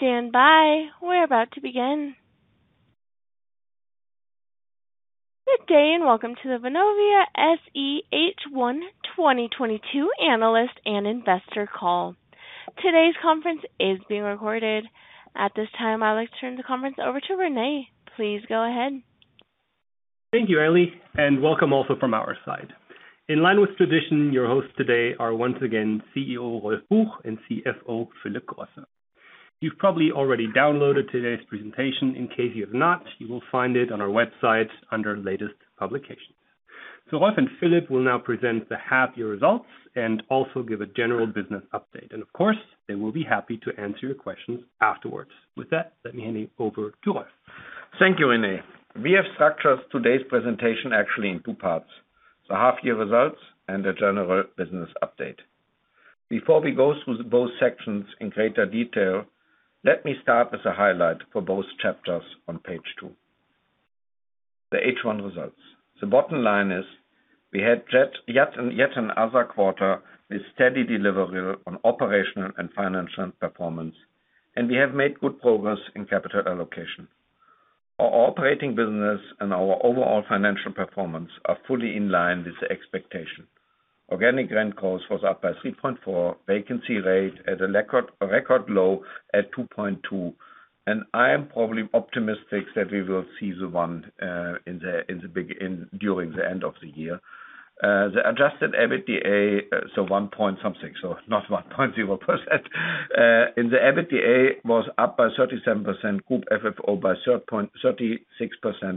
Please stand by. We're about to begin. Good day, and welcome to the Vonovia SE H1 2022 Analyst and Investor Call. Today's conference is being recorded. At this time, I'd like to turn the conference over to Rene. Please go ahead. Thank you, Ellie, and welcome also from our side. In line with tradition, your hosts today are once again CEO Rolf Buch and CFO Philip Grosse. You've probably already downloaded today's presentation. In case you have not, you will find it on our website under Latest Publications. Rolf and Philip will now present the half year results and also give a general business update. Of course, they will be happy to answer your questions afterwards. With that, let me hand it over to Rolf. Thank you, Rene. We have structured today's presentation actually in two parts, the half year results and the general business update. Before we go through both sections in greater detail, let me start with the highlight for both chapters on page two. The H1 results. The bottom line is we had yet another quarter with steady delivery on operational and financial performance, and we have made good progress in capital allocation. Our operating business and our overall financial performance are fully in line with the expectation. Organic rent growth was up by 3.4%, vacancy rate at a record low at 2.2%. I am probably optimistic that we will see the 1% in the big picture during the end of the year. The adjusted EBITDA, so 1.something%, so not 1.0%. The EBITDA was up by 37%, group FFO by 36%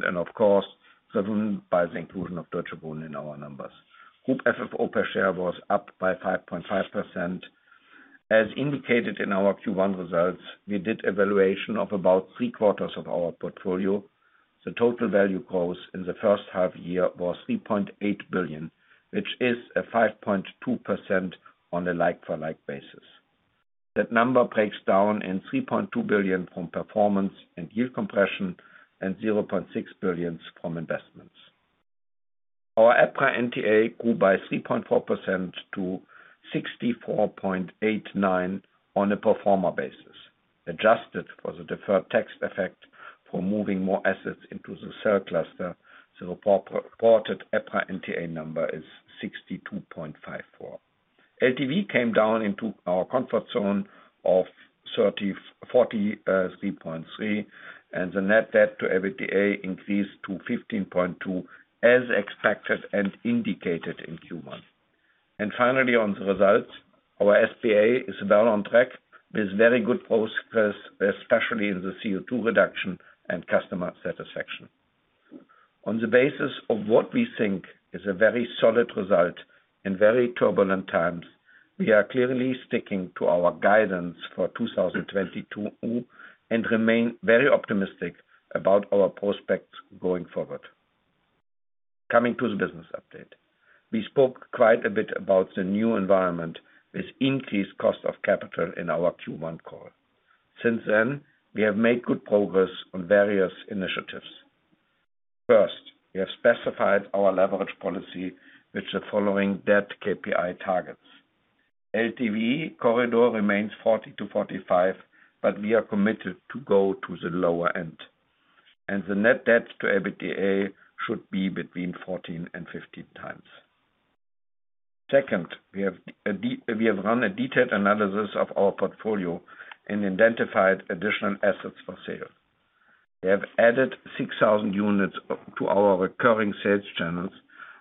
and of course driven by the inclusion of Deutsche Wohnen in our numbers. Group FFO per share was up by 5.5%. As indicated in our Q1 results, we did valuation of about three-quarters of our portfolio. The total value growth in the first half year was 3.8 billion, which is a 5.2% on a like for like basis. That number breaks down in 3.2 billion from performance and yield compression and 0.6 billion from investments. Our EPRA NTA grew by 3.4% to 64.89 on a pro forma basis. Adjusted for the deferred tax effect for moving more assets into the third cluster, so the as-reported EPRA NTA number is 62.54. LTV came down into our comfort zone of 30%-40%, 3.3%, and the net debt to EBITDA increased to 15.2x as expected and indicated in Q1. Finally, on the results, our SBA is well on track with very good progress, especially in the CO2 reduction and customer satisfaction. On the basis of what we think is a very solid result in very turbulent times, we are clearly sticking to our guidance for 2022 and remain very optimistic about our prospects going forward. Coming to the business update. We spoke quite a bit about the new environment with increased cost of capital in our Q1 call. Since then, we have made good progress on various initiatives. First, we have specified our leverage policy with the following debt KPI targets. LTV corridor remains 40%-45%, but we are committed to go to the lower end, and the net debt to EBITDA should be between 14-15 times. Second, we have run a detailed analysis of our portfolio and identified additional assets for sale. We have added 6,000 units to our recurring sales channels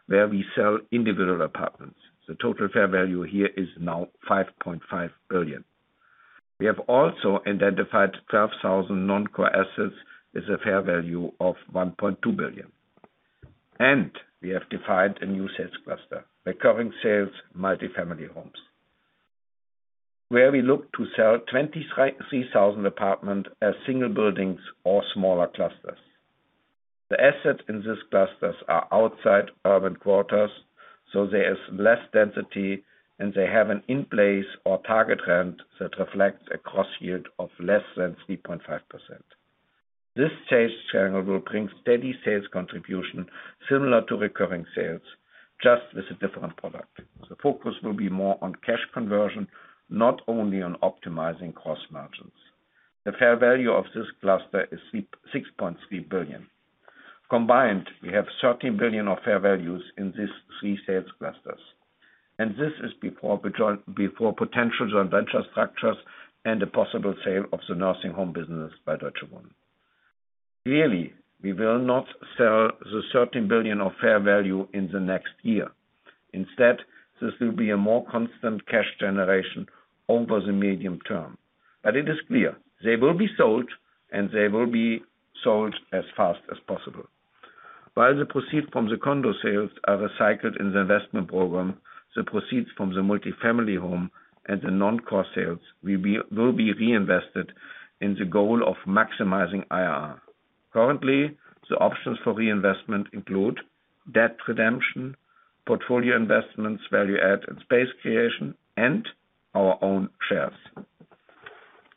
where we sell individual apartments. The total fair value here is now 5.5 billion. We have also identified 12,000 non-core assets with a fair value of 1.2 billion. We have defined a new sales cluster, recurring sales, multi-family homes, where we look to sell 23,000 apartments as single buildings or smaller clusters. The assets in these clusters are outside urban quarters, so there is less density, and they have an in-place or target rent that reflects a gross yield of less than 3.5%. This sales channel will bring steady sales contribution similar to recurring sales, just with a different product. The focus will be more on cash conversion, not only on optimizing cost margins. The fair value of this cluster is 6.3 billion. Combined, we have 13 billion of fair values in these three sales clusters, and this is before potential joint venture structures and the possible sale of the nursing home business by Deutsche Wohnen. Clearly, we will not sell the 13 billion of fair value in the next year. Instead, this will be a more constant cash generation over the medium term. It is clear they will be sold, and they will be sold as fast as possible. While the proceeds from the condo sales are recycled in the investment program, the proceeds from the multi-family home and the non-core sales will be reinvested in the goal of maximizing IRR. Currently, the options for reinvestment include debt redemption, portfolio investments, value add and space creation, and our own shares.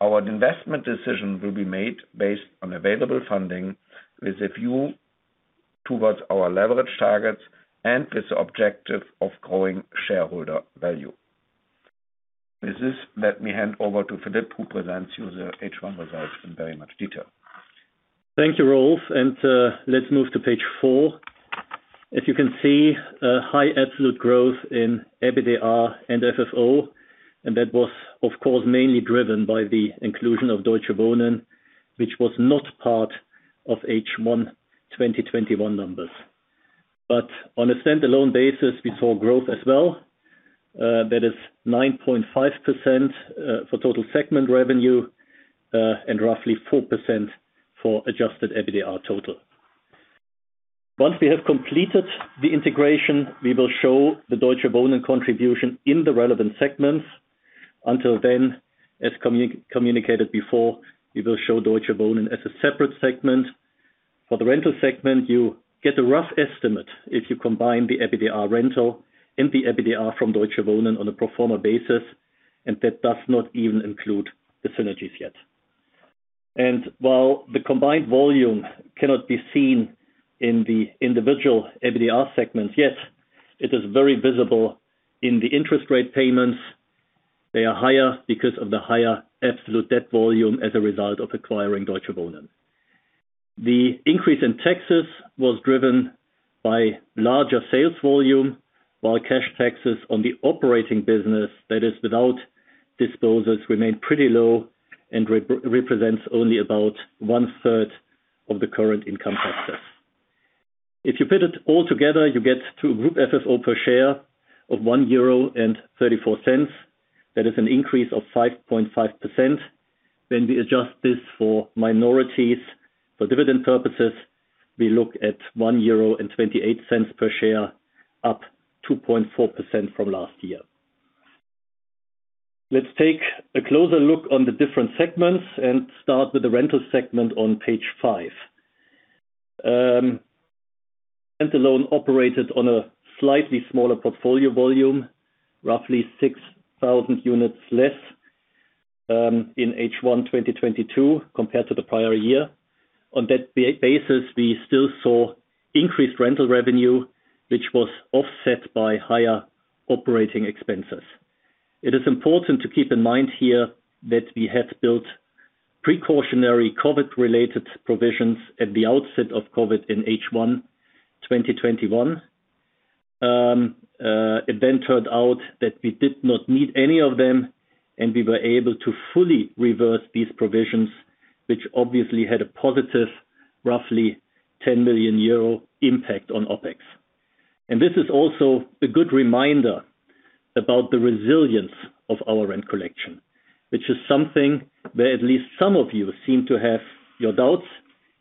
Our investment decision will be made based on available funding with a view towards our leverage targets and with the objective of growing shareholder value. With this, let me hand over to Philip, who presents you the H1 results in very much detail. Thank you, Rolf, let's move to page four. As you can see, a high absolute growth in EBITDA and FFO, and that was of course mainly driven by the inclusion of Deutsche Wohnen, which was not part of H1 2021 numbers. On a standalone basis, we saw growth as well, that is 9.5% for total segment revenue, and roughly 4% for adjusted EBITDA total. Once we have completed the integration, we will show the Deutsche Wohnen contribution in the relevant segments. Until then, as communicated before, we will show Deutsche Wohnen as a separate segment. For the rental segment, you get a rough estimate if you combine the EBITDA rental and the EBITDA from Deutsche Wohnen on a pro forma basis, and that does not even include the synergies yet. While the combined volume cannot be seen in the individual EBITDA segments, yet it is very visible in the interest rate payments. They are higher because of the higher absolute debt volume as a result of acquiring Deutsche Wohnen. The increase in taxes was driven by larger sales volume, while cash taxes on the operating business, that is without disposals, remained pretty low and represents only about one-third of the current income taxes. If you put it all together, you get to a group FFO per share of 1.34 euro. That is an increase of 5.5%. When we adjust this for minorities for dividend purposes, we look at 1.28 euro per share, up 2.4% from last year. Let's take a closer look on the different segments and start with the rental segment on page five. Standalone operated on a slightly smaller portfolio volume, roughly 6,000 units less in H1 2022 compared to the prior year. On that basis, we still saw increased rental revenue, which was offset by higher operating expenses. It is important to keep in mind here that we have built precautionary COVID-related provisions at the outset of COVID in H1 2021. It then turned out that we did not need any of them, and we were able to fully reverse these provisions, which obviously had a positive, roughly 10 million euro impact on OpEx. This is also a good reminder about the resilience of our rent collection, which is something where at least some of you seem to have your doubts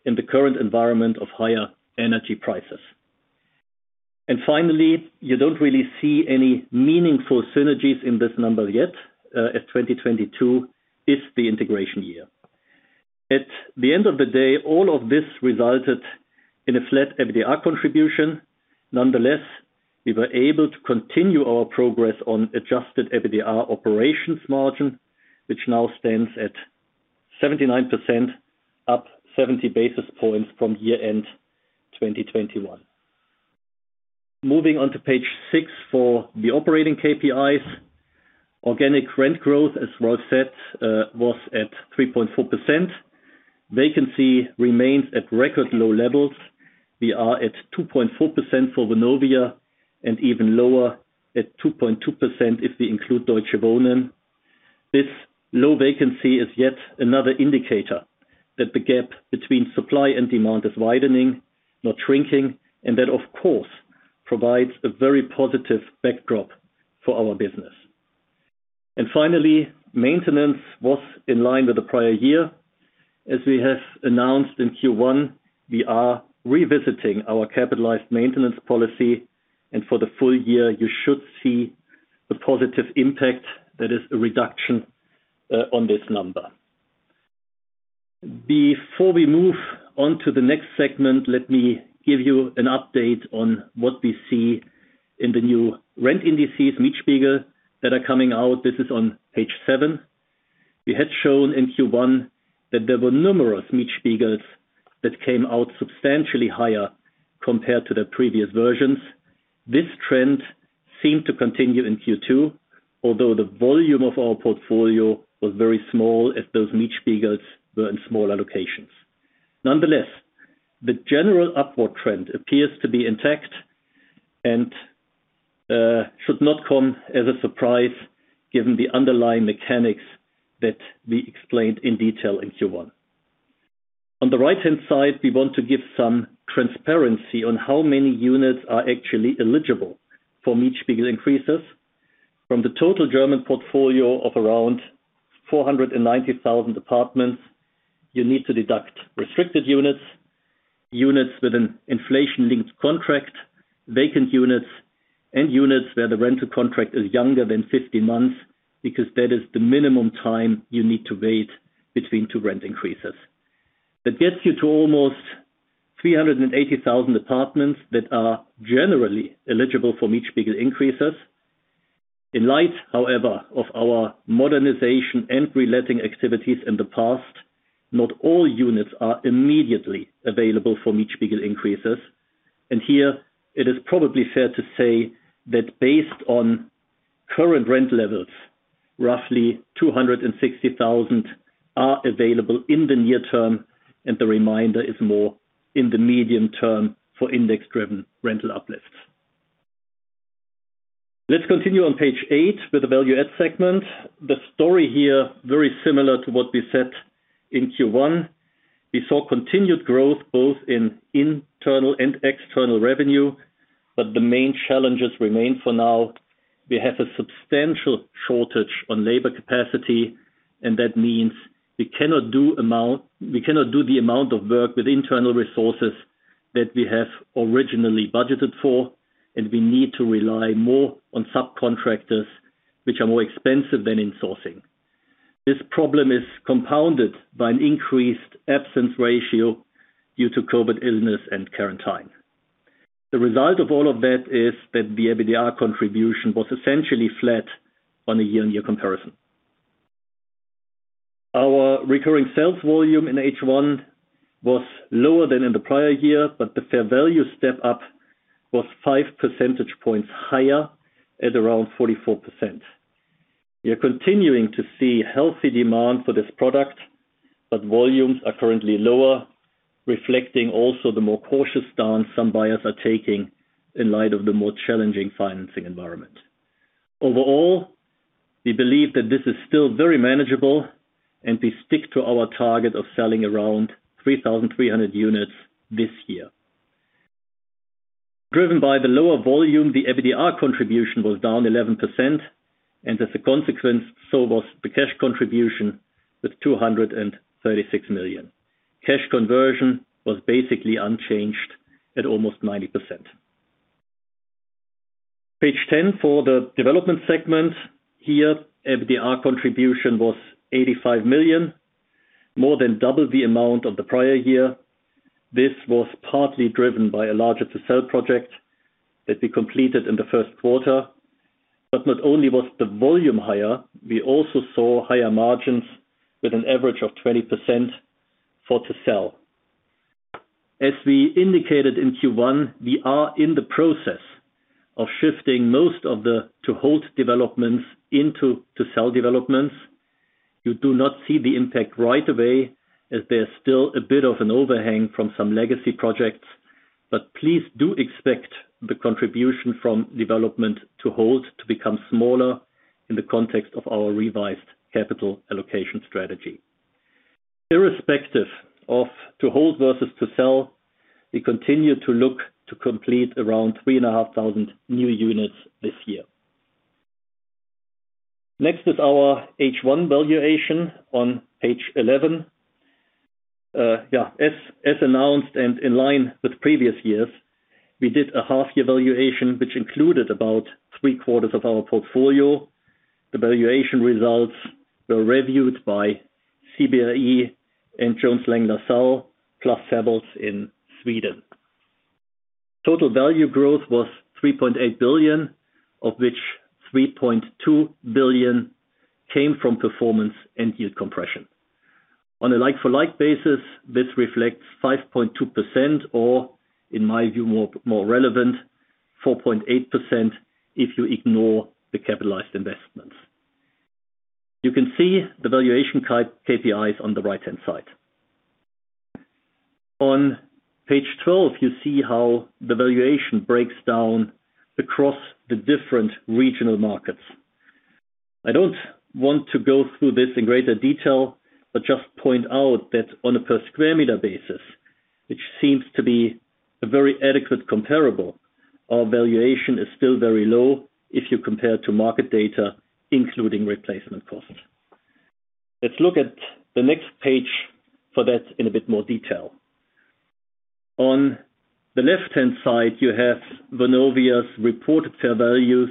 in the current environment of higher energy prices. Finally, you don't really see any meaningful synergies in this number yet, as 2022 is the integration year. At the end of the day, all of this resulted in a flat EBITDA contribution. Nonetheless, we were able to continue our progress on adjusted EBITDA operations margin, which now stands at 79%, up 70 basis points from year-end 2021. Moving on to page 6 for the operating KPIs. Organic rent growth, as Rolf said, was at 3.4%. Vacancy remains at record low levels. We are at 2.4% for Vonovia and even lower at 2.2% if we include Deutsche Wohnen. This low vacancy is yet another indicator that the gap between supply and demand is widening, not shrinking, and that, of course, provides a very positive backdrop for our business. Finally, maintenance was in line with the prior year. As we have announced in Q1, we are revisiting our capitalized maintenance policy, and for the full year, you should see a positive impact, that is, a reduction on this number. Before we move on to the next segment, let me give you an update on what we see in the new rent indices, Mietspiegel, that are coming out. This is on page seven. We had shown in Q1 that there were numerous Mietspiegels that came out substantially higher compared to the previous versions. This trend seemed to continue in Q2, although the volume of our portfolio was very small as those Mietspiegels were in small allocations. Nonetheless, the general upward trend appears to be intact and should not come as a surprise given the underlying mechanics that we explained in detail in Q1. On the right-hand side, we want to give some transparency on how many units are actually eligible for Mietspiegel increases. From the total German portfolio of around 490,000 apartments, you need to deduct restricted units with an inflation-linked contract, vacant units, and units where the rental contract is younger than 15 months, because that is the minimum time you need to wait between two rent increases. That gets you to almost 380,000 apartments that are generally eligible for Mietspiegel increases. In light, however, of our modernization and reletting activities in the past, not all units are immediately available for each rental increases. Here it is probably fair to say that based on current rent levels, roughly 260,000 are available in the near term, and the remainder is more in the medium term for index-driven rental uplifts. Let's continue on page eight with the value add segment. The story here, very similar to what we said in Q1. We saw continued growth both in internal and external revenue, but the main challenges remain for now. We have a substantial shortage on labor capacity, and that means we cannot do the amount of work with internal resources that we have originally budgeted for, and we need to rely more on subcontractors which are more expensive than in-sourcing. This problem is compounded by an increased absence ratio due to COVID illness and quarantine. The result of all of that is that the EBITDA contribution was essentially flat on a year-on-year comparison. Our recurring sales volume in H1 was lower than in the prior year, but the fair value step up was five percentage points higher at around 44%. We are continuing to see healthy demand for this product, but volumes are currently lower, reflecting also the more cautious stance some buyers are taking in light of the more challenging financing environment. Overall, we believe that this is still very manageable and we stick to our target of selling around 3,300 units this year. Driven by the lower volume, the EBITDA contribution was down 11% and as a consequence, so was the cash contribution with 236 million. Cash conversion was basically unchanged at almost 90%. Page 10 for the development segment. Here, EBITDA contribution was 85 million, more than double the amount of the prior year. This was partly driven by a larger to-sell project that we completed in the first quarter. Not only was the volume higher, we also saw higher margins with an average of 20% for to-sell. As we indicated in Q1, we are in the process of shifting most of the to-hold developments into to-sell developments. You do not see the impact right away as there's still a bit of an overhang from some legacy projects. Please do expect the contribution from development to-hold to become smaller in the context of our revised capital allocation strategy. Irrespective of to-hold versus to-sell, we continue to look to complete around 3,500 new units this year. Next is our H1 valuation on page 11. As announced and in line with previous years, we did a half year valuation which included about three quarters of our portfolio. The valuation results were reviewed by CBRE and Jones Lang LaSalle plus Savills in Sweden. Total value growth was 3.8 billion, of which 3.2 billion came from performance and yield compression. On a like-for-like basis, this reflects 5.2%, or in my view, more relevant, 4.8% if you ignore the capitalized investments. You can see the valuation type KPIs on the right-hand side. On page 12, you see how the valuation breaks down across the different regional markets. I don't want to go through this in greater detail, but just point out that on a per square meter basis, which seems to be a very adequate comparable, our valuation is still very low if you compare to market data, including replacement costs. Let's look at the next page for that in a bit more detail. On the left-hand side, you have Vonovia's reported fair values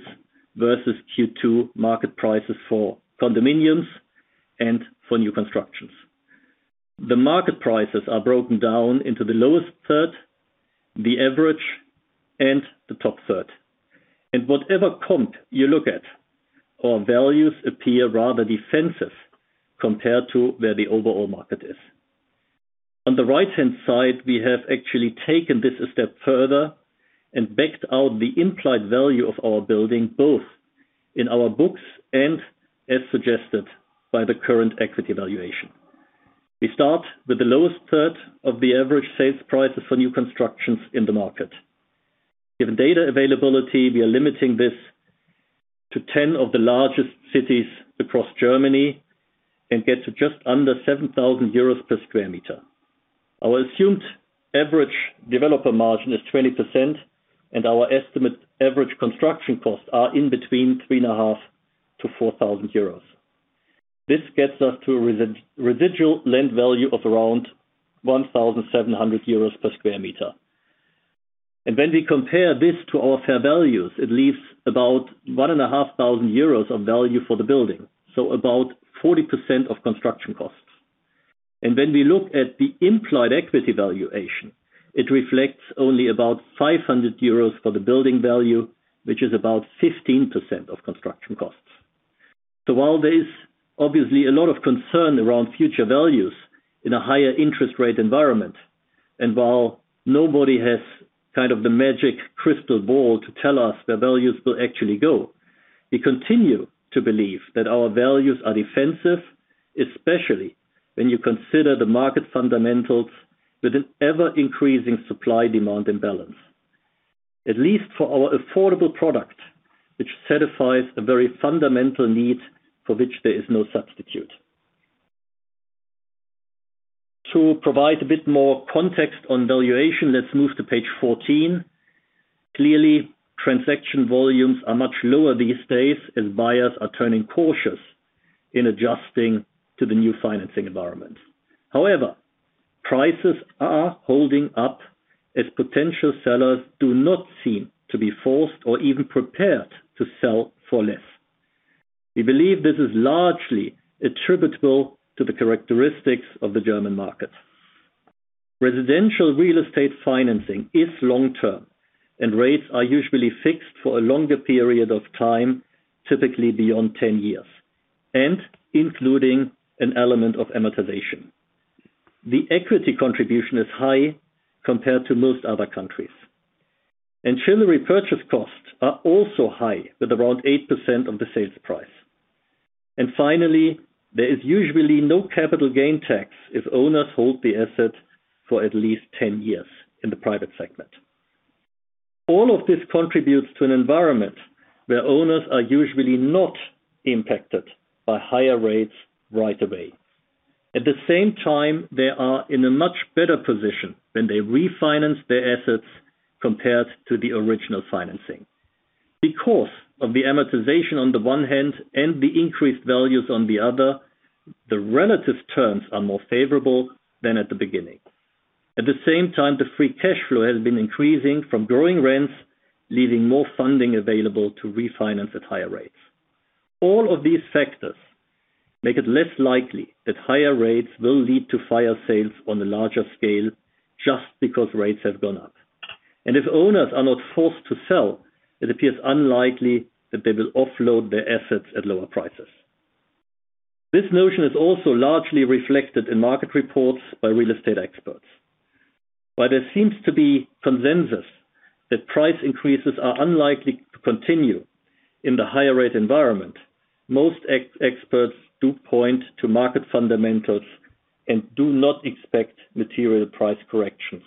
versus Q2 market prices for condominiums and for new constructions. The market prices are broken down into the lowest third, the average, and the top third. Whatever comp you look at, our values appear rather defensive compared to where the overall market is. On the right-hand side, we have actually taken this a step further and backed out the implied value of our building, both in our books and as suggested by the current equity valuation. We start with the lowest third of the average sales prices for new constructions in the market. Given data availability, we are limiting this to 10 of the largest cities across Germany and get to just under 7,000 euros per sq m. Our assumed average developer margin is 20% and our estimated average construction costs are in between 3,500-4,000 euros. This gets us to a residual land value of around 1,700 euros per square meter. When we compare this to our fair values, it leaves about 1,500 euros of value for the building, so about 40% of construction costs. When we look at the implied equity valuation, it reflects only about 500 euros for the building value, which is about 15% of construction costs. While there is obviously a lot of concern around future values in a higher interest rate environment, and while nobody has kind of the magic crystal ball to tell us where values will actually go, we continue to believe that our values are defensive, especially when you consider the market fundamentals with an ever-increasing supply-demand imbalance. At least for our affordable product, which satisfies a very fundamental need for which there is no substitute. To provide a bit more context on valuation, let's move to page 14. Clearly, transaction volumes are much lower these days as buyers are turning cautious in adjusting to the new financing environment. However, prices are holding up as potential sellers do not seem to be forced or even prepared to sell for less. We believe this is largely attributable to the characteristics of the German market. Residential real estate financing is long-term, and rates are usually fixed for a longer period of time, typically beyond 10 years, and including an element of amortization. The equity contribution is high compared to most other countries. Ancillary purchase costs are also high, at around 8% of the sales price. Finally, there is usually no capital gain tax if owners hold the asset for at least 10 years in the private segment. All of this contributes to an environment where owners are usually not impacted by higher rates right away. At the same time, they are in a much better position when they refinance their assets compared to the original financing. Because of the amortization on the one hand and the increased values on the other, the relative terms are more favorable than at the beginning. At the same time, the free cash flow has been increasing from growing rents, leaving more funding available to refinance at higher rates. All of these factors make it less likely that higher rates will lead to fire sales on a larger scale just because rates have gone up. If owners are not forced to sell, it appears unlikely that they will offload their assets at lower prices. This notion is also largely reflected in market reports by real estate experts. While there seems to be consensus that price increases are unlikely to continue in the higher rate environment, most experts do point to market fundamentals and do not expect material price corrections.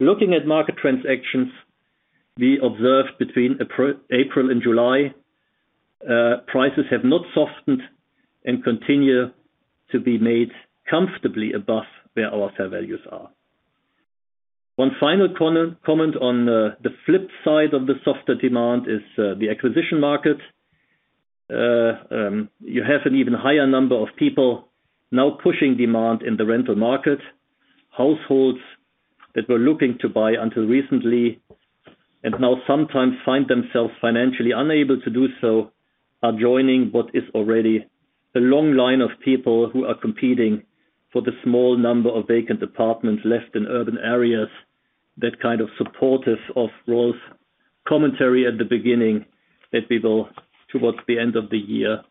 Looking at market transactions, we observed between April and July, prices have not softened and continue to be made comfortably above where our sale values are. One final comment on the flip side of the softer demand is the acquisition market. You have an even higher number of people now pushing demand in the rental market. Households that were looking to buy until recently and now sometimes find themselves financially unable to do so are joining what is already a long line of people who are competing for the small number of vacant apartments left in urban areas that kind of supports Rolf's commentary at the beginning that we will, towards the end of the year,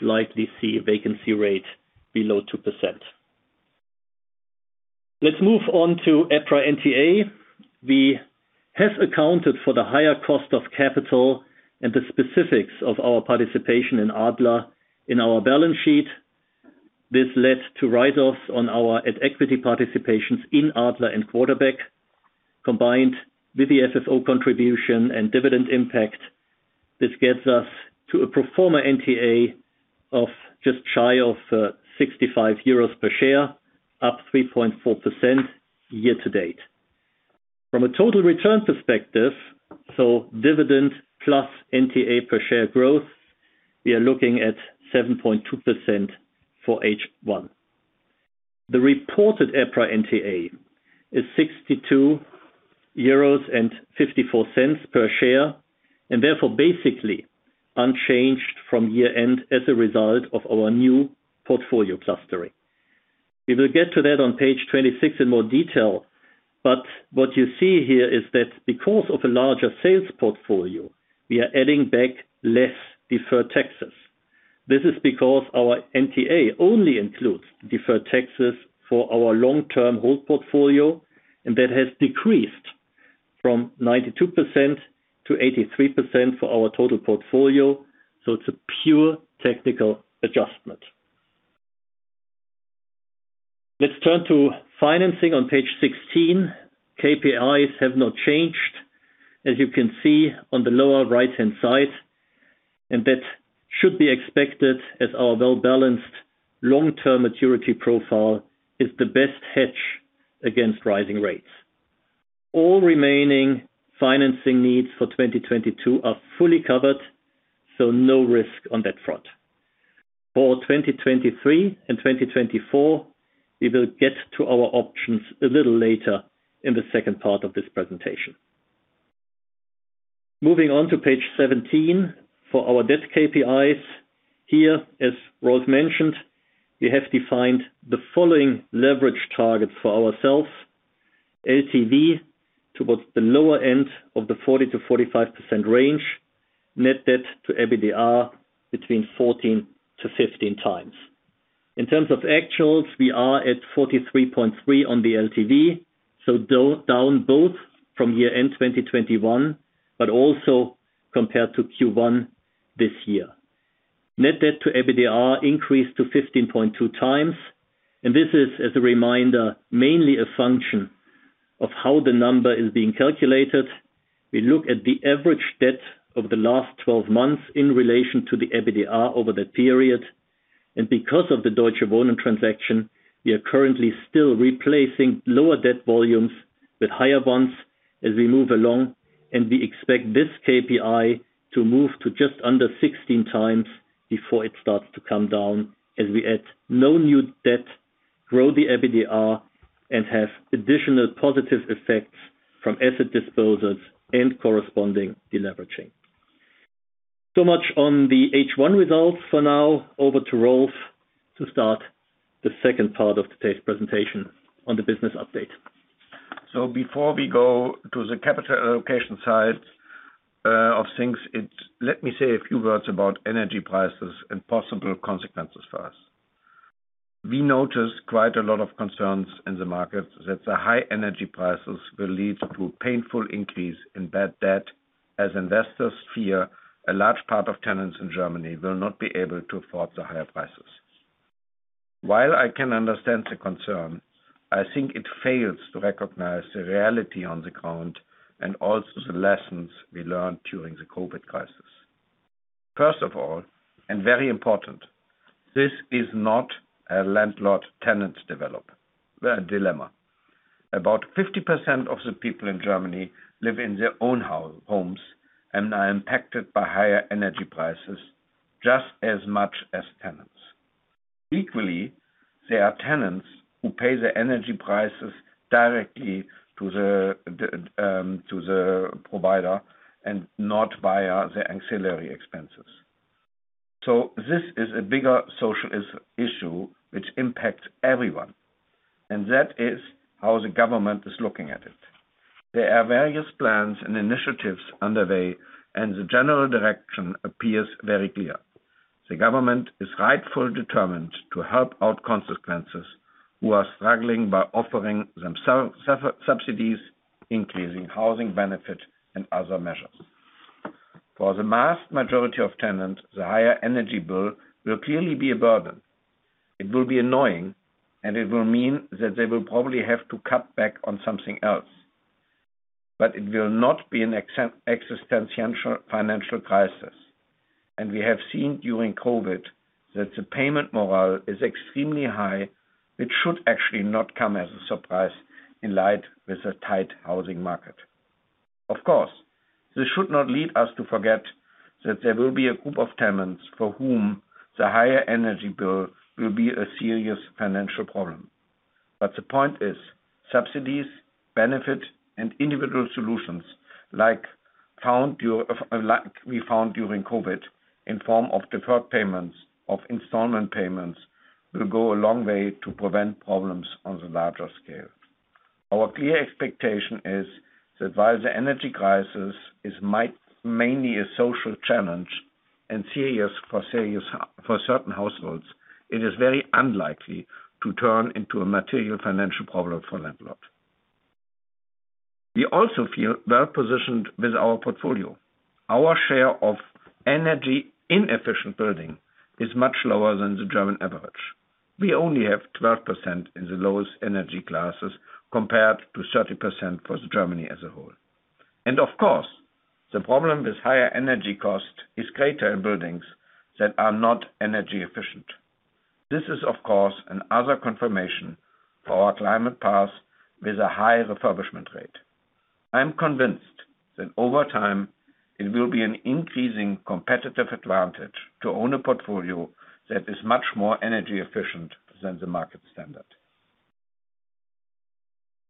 likely see a vacancy rate below 2%. Let's move on to EPRA NTA. We have accounted for the higher cost of capital and the specifics of our participation in Adler in our balance sheet. This led to write-offs on our at-equity participations in Adler and Quarterback. Combined with the FFO contribution and dividend impact, this gets us to a pro forma NTA of just shy of 65 euros per share, up 3.4% year to date. From a total return perspective, so dividend plus NTA per share growth, we are looking at 7.2% for H1. The reported EPRA NTA is 62.54 euros per share, and therefore, basically unchanged from year-end as a result of our new portfolio clustering. We will get to that on page 26 in more detail, but what you see here is that because of a larger sales portfolio, we are adding back less deferred taxes. This is because our NTA only includes deferred taxes for our long-term hold portfolio, and that has decreased from 92% to 83% for our total portfolio. It's a pure technical adjustment. Let's turn to financing on page 16. KPIs have not changed, as you can see on the lower right-hand side, and that should be expected as our well-balanced long-term maturity profile is the best hedge against rising rates. All remaining financing needs for 2022 are fully covered, so no risk on that front. For 2023 and 2024, we will get to our options a little later in the second part of this presentation. Moving on to page 17 for our debt KPIs. Here, as Rolf mentioned, we have defined the following leverage targets for ourselves. LTV towards the lower end of the 40%-45% range. Net debt to EBITDA between 14-15 times. In terms of actuals, we are at 43.3% on the LTV, so down both from year-end 2021, but also compared to Q1 this year. Net debt to EBITDA increased to 15.2x, and this is, as a reminder, mainly a function of how the number is being calculated. We look at the average debt of the last 12 months in relation to the EBITDA over that period. Because of the Deutsche Wohnen transaction, we are currently still replacing lower debt volumes with higher ones as we move along, and we expect this KPI to move to just under 16x before it starts to come down, as we add no new debt, grow the EBITDA, and have additional positive effects from asset disposals and corresponding deleveraging. Much on the H1 results for now. Over to Rolf to start the second part of today's presentation on the business update. Before we go to the capital allocation side of things, let me say a few words about energy prices and possible consequences for us. We noticed quite a lot of concerns in the market that the high energy prices will lead to painful increase in bad debt, as investors fear a large part of tenants in Germany will not be able to afford the higher prices. While I can understand the concern, I think it fails to recognize the reality on the ground and also the lessons we learned during the COVID crisis. First of all, and very important, this is not a landlord-tenant dilemma. About 50% of the people in Germany live in their own homes and are impacted by higher energy prices just as much as tenants. Equally, there are tenants who pay their energy prices directly to the provider and not via the ancillary expenses. This is a bigger social issue which impacts everyone, and that is how the government is looking at it. There are various plans and initiatives underway, and the general direction appears very clear. The government is rightfully determined to help out constituents who are struggling by offering them subsidies, increasing housing benefit and other measures. For the vast majority of tenants, the higher energy bill will clearly be a burden. It will be annoying, and it will mean that they will probably have to cut back on something else. It will not be an existential financial crisis. We have seen during COVID that the payment morale is extremely high, which should actually not come as a surprise in light of the tight housing market. Of course, this should not lead us to forget that there will be a group of tenants for whom the higher energy bill will be a serious financial problem. The point is subsidies, benefit, and individual solutions like we found during COVID, in form of deferred payments, of installment payments, will go a long way to prevent problems on the larger scale. Our clear expectation is that while the energy crisis is mainly a social challenge and serious for certain households, it is very unlikely to turn into a material financial problem for landlords. We also feel well positioned with our portfolio. Our share of energy-inefficient building is much lower than the German average. We only have 12% in the lowest energy classes, compared to 30% for Germany as a whole. Of course, the problem with higher energy costs is greater in buildings that are not energy efficient. This is, of course, another confirmation for our climate path with a high refurbishment rate. I am convinced that over time it will be an increasing competitive advantage to own a portfolio that is much more energy efficient than the market standard.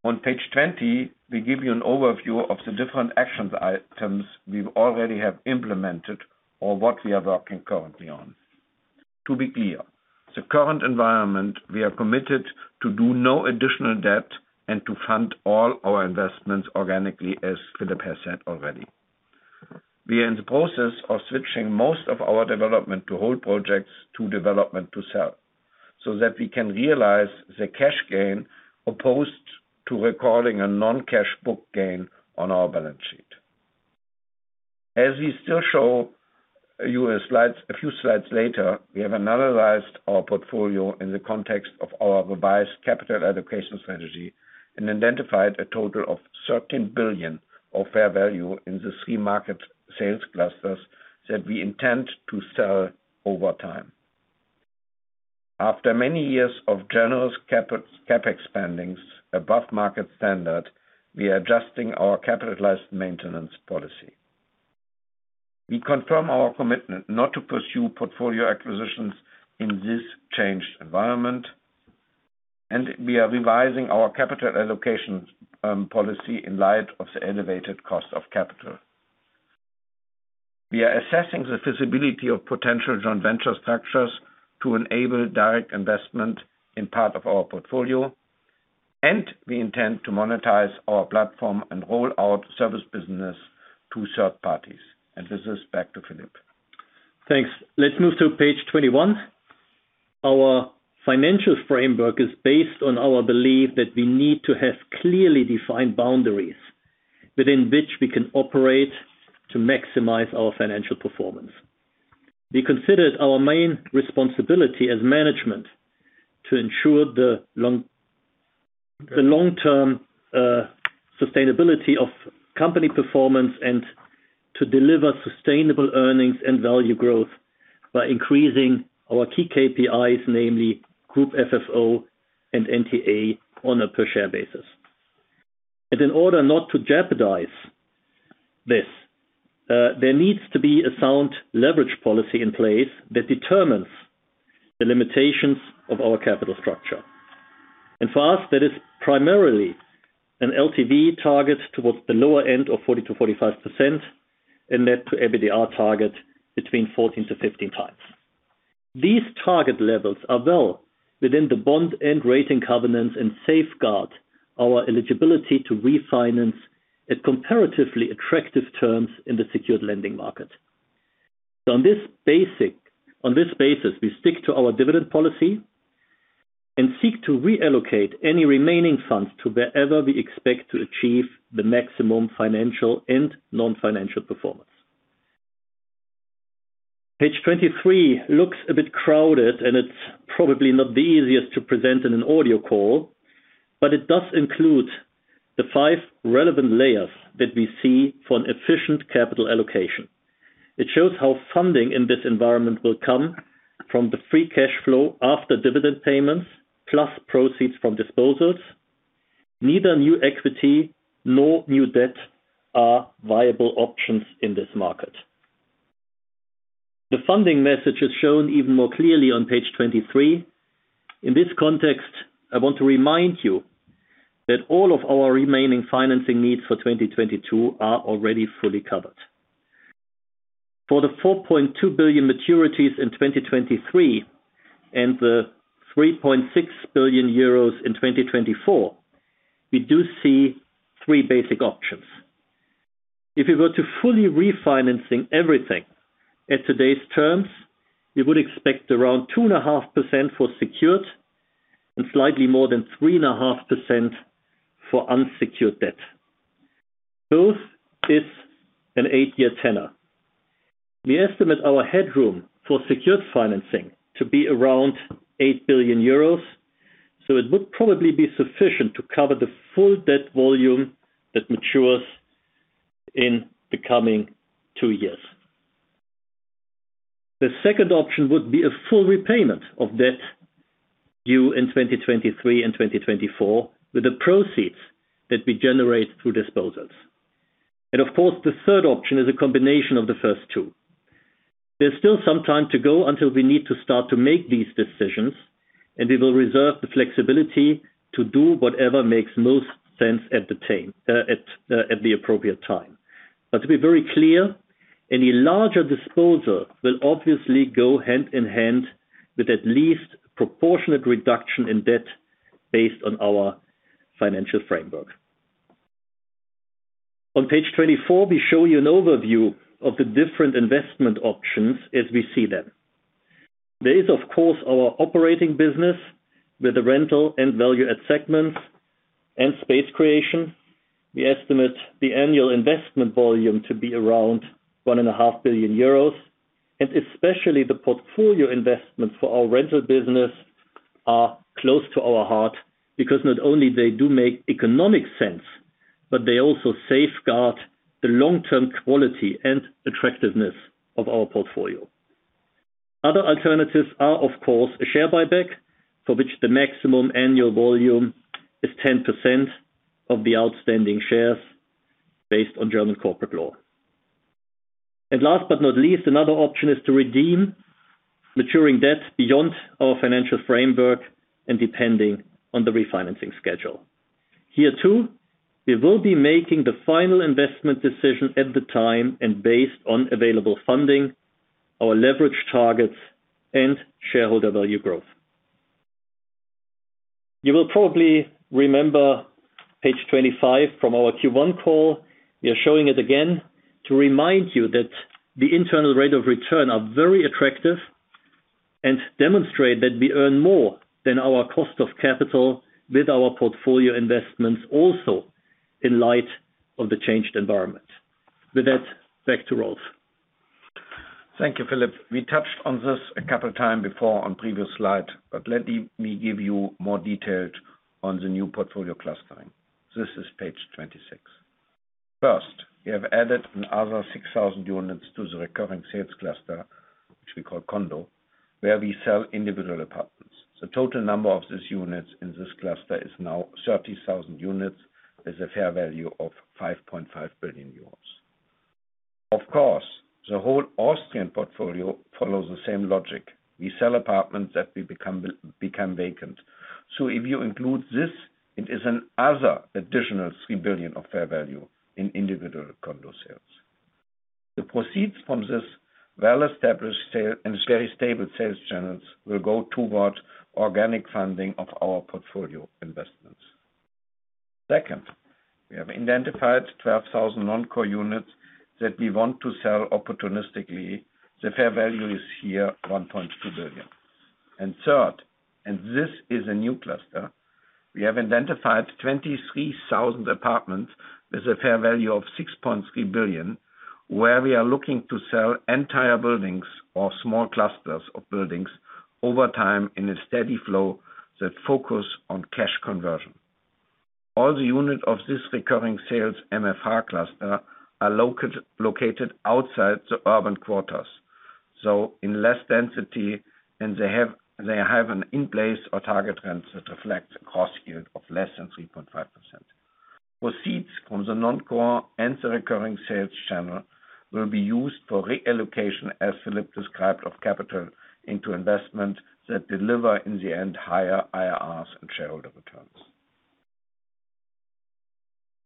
On page 20, we give you an overview of the different action items we already have implemented or what we are working currently on. To be clear, in the current environment, we are committed to do no additional debt and to fund all our investments organically, as Philipp has said already. We are in the process of switching most of our development-to-hold projects to development-to-sell, so that we can realize the cash gain as opposed to recording a non-cash book gain on our balance sheet. As we still show you in slides, a few slides later, we have analyzed our portfolio in the context of our revised capital allocation strategy and identified a total of 13 billion of fair value in the three market sales clusters that we intend to sell over time. After many years of generous CapEx spending above market standard, we are adjusting our capitalized maintenance policy. We confirm our commitment not to pursue portfolio acquisitions in this changed environment. We are revising our capital allocation policy in light of the elevated cost of capital. We are assessing the feasibility of potential joint venture structures to enable direct investment in part of our portfolio, and we intend to monetize our platform and roll out service business to third parties. With this, back to Philipp. Thanks. Let's move to page 21. Our financial framework is based on our belief that we need to have clearly defined boundaries within which we can operate to maximize our financial performance. We considered our main responsibility as management to ensure the long-term sustainability of company performance and to deliver sustainable earnings and value growth by increasing our key KPIs, namely group FFO and NTA on a per share basis. In order not to jeopardize this, there needs to be a sound leverage policy in place that determines the limitations of our capital structure. For us, that is primarily an LTV target towards the lower end of 40%-45% and net debt to EBITDA target between 14-15 times. These target levels are well within the bond and rating covenants and safeguard our eligibility to refinance at comparatively attractive terms in the secured lending market. On this basis, we stick to our dividend policy and seek to reallocate any remaining funds to wherever we expect to achieve the maximum financial and non-financial performance. Page 23 looks a bit crowded, and it's probably not the easiest to present in an audio call, but it does include the five relevant layers that we see for an efficient capital allocation. It shows how funding in this environment will come from the free cash flow after dividend payments, plus proceeds from disposals. Neither new equity nor new debt are viable options in this market. The funding message is shown even more clearly on page 23. In this context, I want to remind you that all of our remaining financing needs for 2022 are already fully covered. For the 4.2 billion maturities in 2023 and the 3.6 billion euros in 2024, we do see three basic options. If you were to fully refinancing everything at today's terms, you would expect around 2.5% for secured and slightly more than 3.5% for unsecured debt. Both is an eight-year tenor. We estimate our headroom for secured financing to be around 8 billion euros, so it would probably be sufficient to cover the full debt volume that matures in the coming two years. The second option would be a full repayment of debt due in 2023 and 2024 with the proceeds that we generate through disposals. Of course, the third option is a combination of the first two. There's still some time to go until we need to start to make these decisions, and we will reserve the flexibility to do whatever makes most sense at the time, at the appropriate time. To be very clear, any larger disposal will obviously go hand in hand with at least proportionate reduction in debt based on our financial framework. On page 24, we show you an overview of the different investment options as we see them. There is, of course, our operating business with the rental and value add segments and space creation. We estimate the annual investment volume to be around one and a half billion euros, and especially the portfolio investment for our rental business are close to our heart because not only they do make economic sense, but they also safeguard the long-term quality and attractiveness of our portfolio. Other alternatives are, of course, a share buyback, for which the maximum annual volume is 10% of the outstanding shares based on German corporate law. Last but not least, another option is to redeem maturing debt beyond our financial framework and depending on the refinancing schedule. Here too, we will be making the final investment decision at the time and based on available funding, our leverage targets, and shareholder value growth. You will probably remember page 25 from our Q1 call. We are showing it again to remind you that the internal rate of return are very attractive and demonstrate that we earn more than our cost of capital with our portfolio investments, also in light of the changed environment. With that, back to Rolf. Thank you, Philipp. We touched on this a couple of times before on previous slide, but let me give you more detail on the new portfolio clustering. This is page 26. First, we have added another 6,000 units to the recurring sales cluster, which we call condo, where we sell individual apartments. The total number of these units in this cluster is now 30,000 units with a fair value of 5.5 billion euros. Of course, the whole Austrian portfolio follows the same logic. We sell apartments that will become vacant. So if you include this, it is another additional 3 billion of fair value in individual condo sales. The proceeds from this well-established sale and very stable sales channels will go toward organic funding of our portfolio investments. Second, we have identified 12,000 non-core units that we want to sell opportunistically. The fair value is here 1.2 billion. Third, and this is a new cluster, we have identified 23,000 apartments with a fair value of 6.3 billion, where we are looking to sell entire buildings or small clusters of buildings over time in a steady flow that focus on cash conversion. All the unit of this recurring sales MFR cluster are located outside the urban quarters, so in less density, and they have an in-place or target rent that reflects a cost yield of less than 3.5%. Proceeds from the non-core and the recurring sales channel will be used for reallocation, as Philip described, of capital into investment that deliver, in the end, higher IRRs and shareholder returns.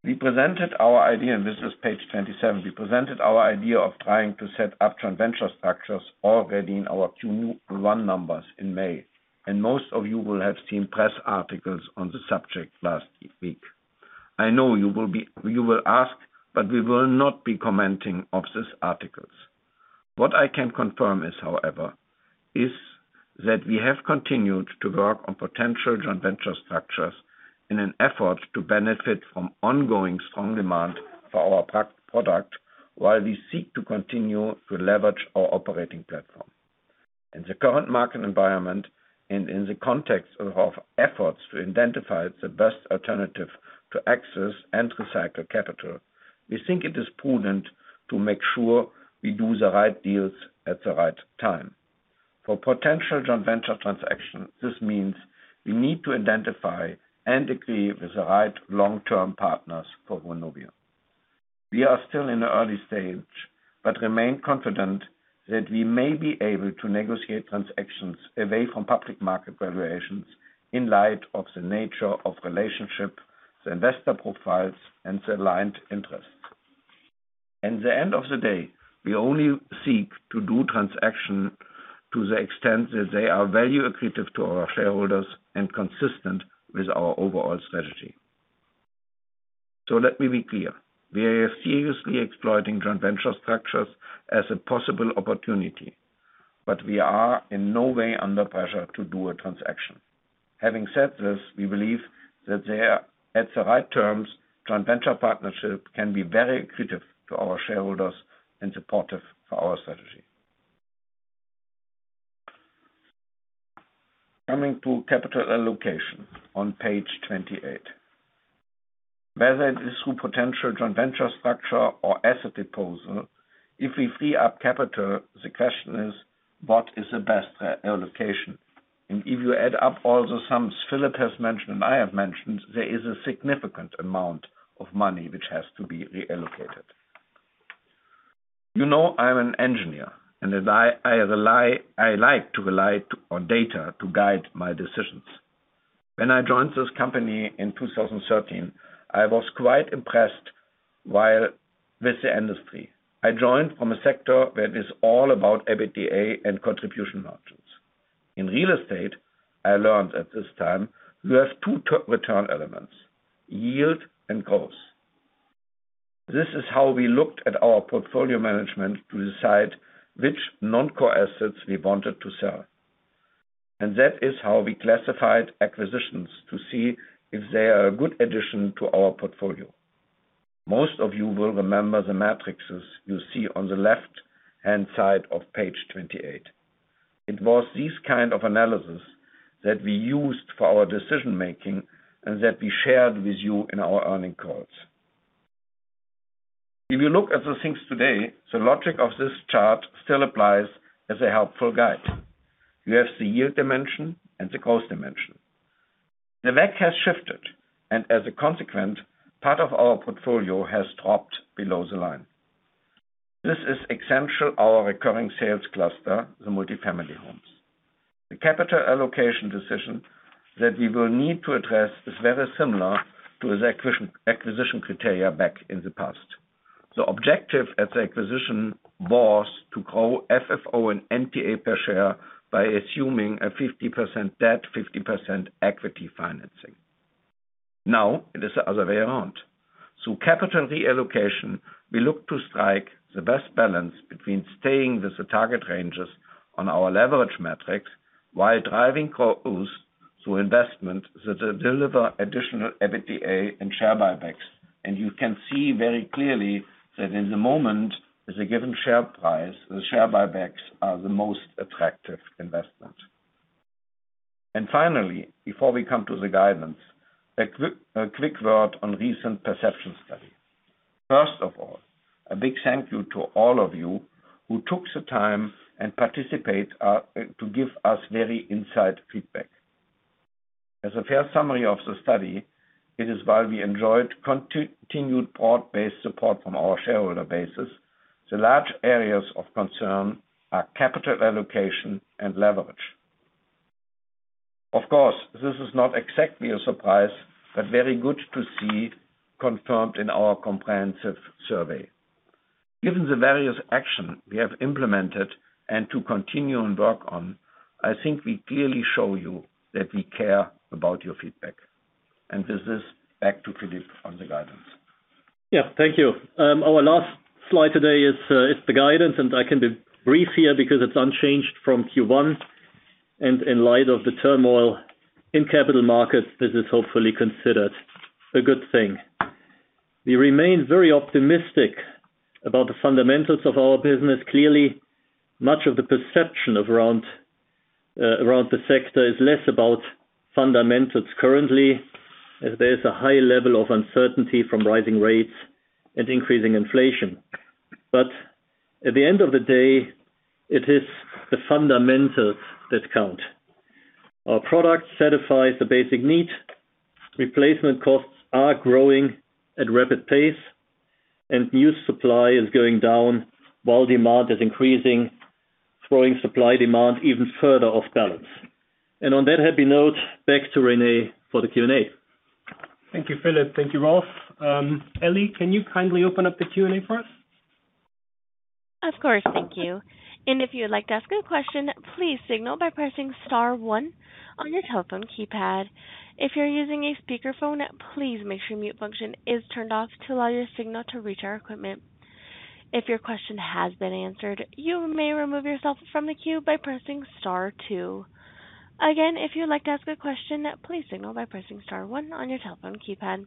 We presented our idea, and this is page 27. We presented our idea of trying to set up joint venture structures already in our Q1 numbers in May, and most of you will have seen press articles on the subject last week. I know you will ask, but we will not be commenting on these articles. What I can confirm, however, is that we have continued to work on potential joint venture structures in an effort to benefit from ongoing strong demand for our product, while we seek to continue to leverage our operating platform. In the current market environment and in the context of efforts to identify the best alternative to access and recycle capital, we think it is prudent to make sure we do the right deals at the right time. For potential joint venture transactions, this means we need to identify and agree with the right long-term partners for Vonovia. We are still in the early stage, but remain confident that we may be able to negotiate transactions away from public market valuations in light of the nature of relationship, the investor profiles, and the aligned interests. At the end of the day, we only seek to do transaction to the extent that they are value accretive to our shareholders and consistent with our overall strategy. Let me be clear. We are seriously exploiting joint venture structures as a possible opportunity, but we are in no way under pressure to do a transaction. Having said this, we believe that they are at the right terms, joint venture partnership can be very accretive to our shareholders and supportive for our strategy. Coming to capital allocation on page 28. Whether it is through potential joint venture structure or asset disposal, if we free up capital, the question is what is the best allocation? If you add up all the sums Philip has mentioned and I have mentioned, there is a significant amount of money which has to be reallocated. You know, I'm an engineer, and I like to rely on data to guide my decisions. When I joined this company in 2013, I was quite impressed with the industry. I joined from a sector that is all about EBITDA and contribution margins. In real estate, I learned at this time, you have two total return elements, yield and growth. This is how we looked at our portfolio management to decide which non-core assets we wanted to sell. That is how we classified acquisitions to see if they are a good addition to our portfolio. Most of you will remember the matrices you see on the left-hand side of page 28. It was this kind of analysis that we used for our decision-making and that we shared with you in our earnings calls. If you look at the things today, the logic of this chart still applies as a helpful guide. You have the yield dimension and the cost dimension. The bar has shifted, and as a consequence, part of our portfolio has dropped below the line. This is essentially our recurring sales cluster, the multifamily homes. The capital allocation decision that we will need to address is very similar to the acquisition criteria back in the past. The objective at the acquisition was to grow FFO and NTA per share by assuming a 50% debt, 50% equity financing. Now it is the other way around. Through capital reallocation, we look to strike the best balance between staying with the target ranges on our leverage metrics while driving costs through investment that deliver additional EBITDA and share buybacks. You can see very clearly that in the moment, with the given share price, the share buybacks are the most attractive investment. Finally, before we come to the guidance, a quick word on recent perception study. First of all, a big thank you to all of you who took the time to participate to give us very insightful feedback. As a fair summary of the study, it is why we enjoyed continued broad-based support from our shareholder bases. The large areas of concern are capital allocation and leverage. Of course, this is not exactly a surprise, but very good to see confirmed in our comprehensive survey. Given the various action we have implemented and to continue and work on, I think we clearly show you that we care about your feedback. With this, back to Philipp on the guidance. Yeah. Thank you. Our last slide today is the guidance, and I can be brief here because it's unchanged from Q1. In light of the turmoil in capital markets, this is hopefully considered a good thing. We remain very optimistic about the fundamentals of our business. Clearly, much of the perception around the sector is less about fundamentals currently, as there's a high level of uncertainty from rising rates and increasing inflation. At the end of the day, it is the fundamentals that count. Our product satisfies the basic need. Replacement costs are growing at rapid pace, and new supply is going down while demand is increasing, throwing supply-demand even further off balance. On that happy note, back to Rene for the Q&A. Thank you, Philip. Thank you, Rolf. Ellie, can you kindly open up the Q&A for us? Of course. Thank you. If you would like to ask a question, please signal by pressing star one on your telephone keypad. If you're using a speakerphone, please make sure mute function is turned off to allow your signal to reach our equipment. If your question has been answered, you may remove yourself from the queue by pressing star two. Again, if you'd like to ask a question, please signal by pressing star one on your telephone keypad.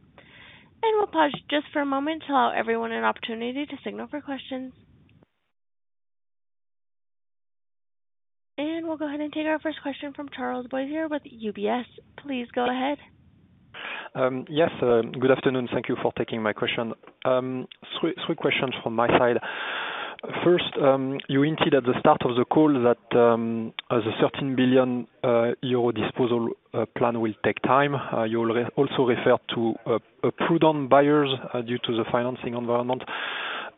We'll pause just for a moment to allow everyone an opportunity to signal for questions. We'll go ahead and take our first question from Charles Boissier with UBS. Please go ahead. Yes. Good afternoon. Thank you for taking my question. Three questions from my side. First, you hinted at the start of the call that a 7 billion euro disposal plan will take time. You also referred to prudent buyers due to the financing environment.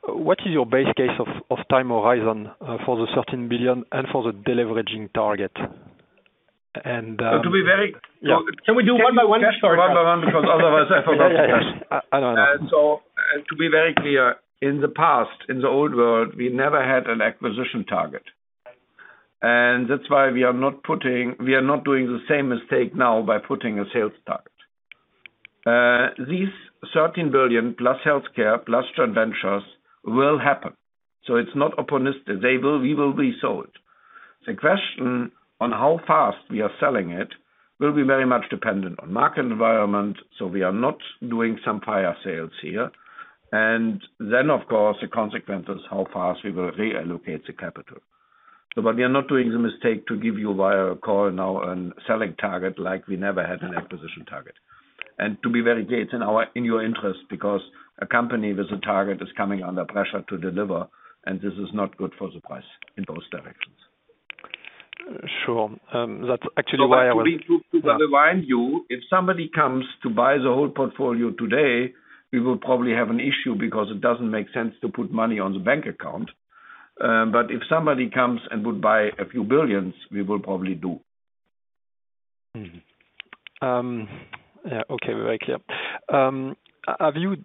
What is your base case of time horizon for the 7 billion and for the deleveraging target? And To be very- Yeah. Can we do one by one? One by one, because otherwise I forgot the question. Yeah, yeah. I know. To be very clear, in the past, in the old world, we never had an acquisition target. That's why we are not doing the same mistake now by putting a sales target. These 13 billion plus healthcare plus joint ventures will happen. It's not opportunistic. We will resell it. The question on how fast we are selling it will be very much dependent on market environment, so we are not doing some fire sales here. Of course, the consequence is how fast we will reallocate the capital. But we are not doing the mistake to give you via call now a selling target like we never had an acquisition target. To be very clear, it's in your interest because a company with a target is coming under pressure to deliver, and this is not good for the price in both directions. Sure. That's actually why I want- What we do to remind you, if somebody comes to buy the whole portfolio today, we will probably have an issue because it doesn't make sense to put money on the bank account. If somebody comes and would buy a few billion EUR, we will probably do. Yeah, okay. Very clear. Have you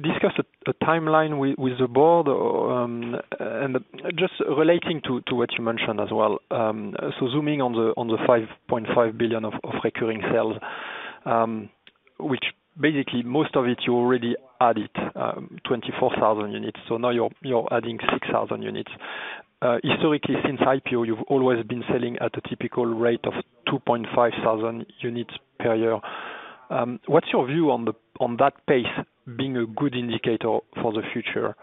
discussed a timeline with the board, and just relating to what you mentioned as well. Zooming on the 5.5 billion of recurring sales, which basically most of it you already added 24,000 units, so now you're adding 6,000 units. Historically since IPO, you've always been selling at a typical rate of 2,500 units per year. What's your view on that pace being a good indicator for the future?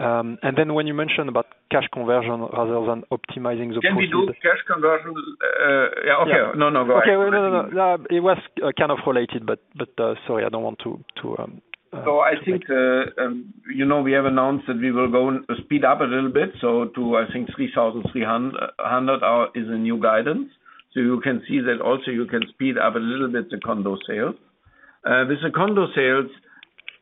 When you mentioned about cash conversion rather than optimizing the- Can we do cash conversion? Yeah, okay. No, no. Go ahead. Okay. No, no. It was kind of related, but sorry, I don't want to. I think, you know, we have announced that we will speed up a little bit to, I think, 3,300, which is a new guidance. You can see that also you can speed up a little bit the condo sales. With the condo sales,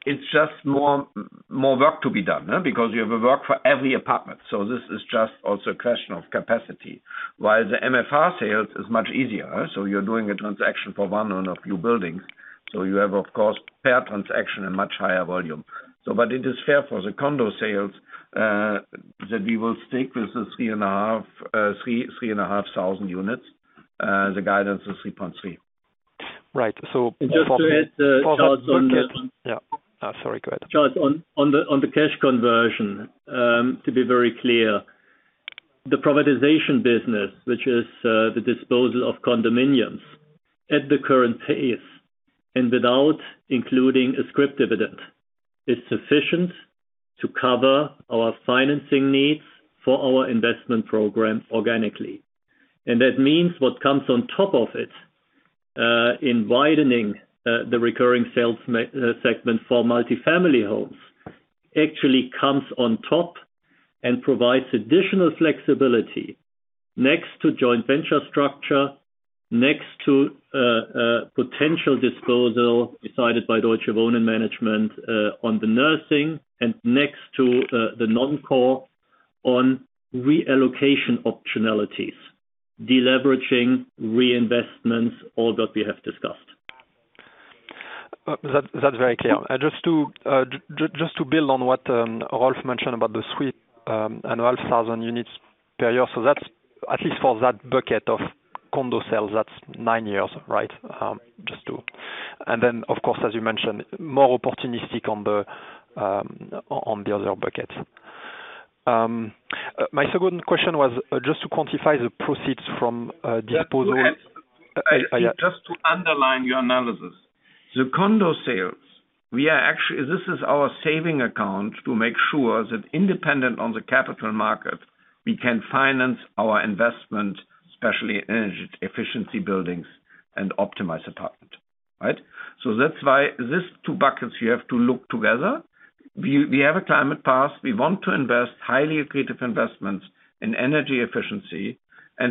it's just more work to be done. Because you have work for every apartment. This is just also a question of capacity. While the MFR sales is much easier, you're doing a transaction for one owner of your buildings. You have, of course, per transaction a much higher volume. But it is fair for the condo sales that we will stick with the 3.5 thousand units. The guidance is 3.3. Right. Just to add, Charles, on the- Yeah. Sorry, go ahead. Charles, on the cash conversion, to be very clear, the privatization business, which is the disposal of condominiums at the current pace and without including a scrip dividend, is sufficient to cover our financing needs for our investment program organically. That means what comes on top of it in widening the recurring sales segment for multi-family homes. Actually comes on top and provides additional flexibility next to joint venture structure, next to potential disposal decided by Deutsche Wohnen management on the nursing and next to the non-core on reallocation optionalities, deleveraging reinvestments, all that we have discussed. That's very clear. Just to build on what Rolf mentioned about the suite and 1,500 units per year. That's at least for that bucket of condo sales, that's nine years, right? Of course, as you mentioned, more opportunistic on the other buckets. My second question was just to quantify the proceeds from disposal. Just to underline your analysis. The condo sales, we are actually. This is our savings account to make sure that independent of the capital market, we can finance our investment, especially in energy efficiency buildings and optimize apartment, right? That's why these two buckets you have to look together. We have a climate path. We want to invest highly accretive investments in energy efficiency.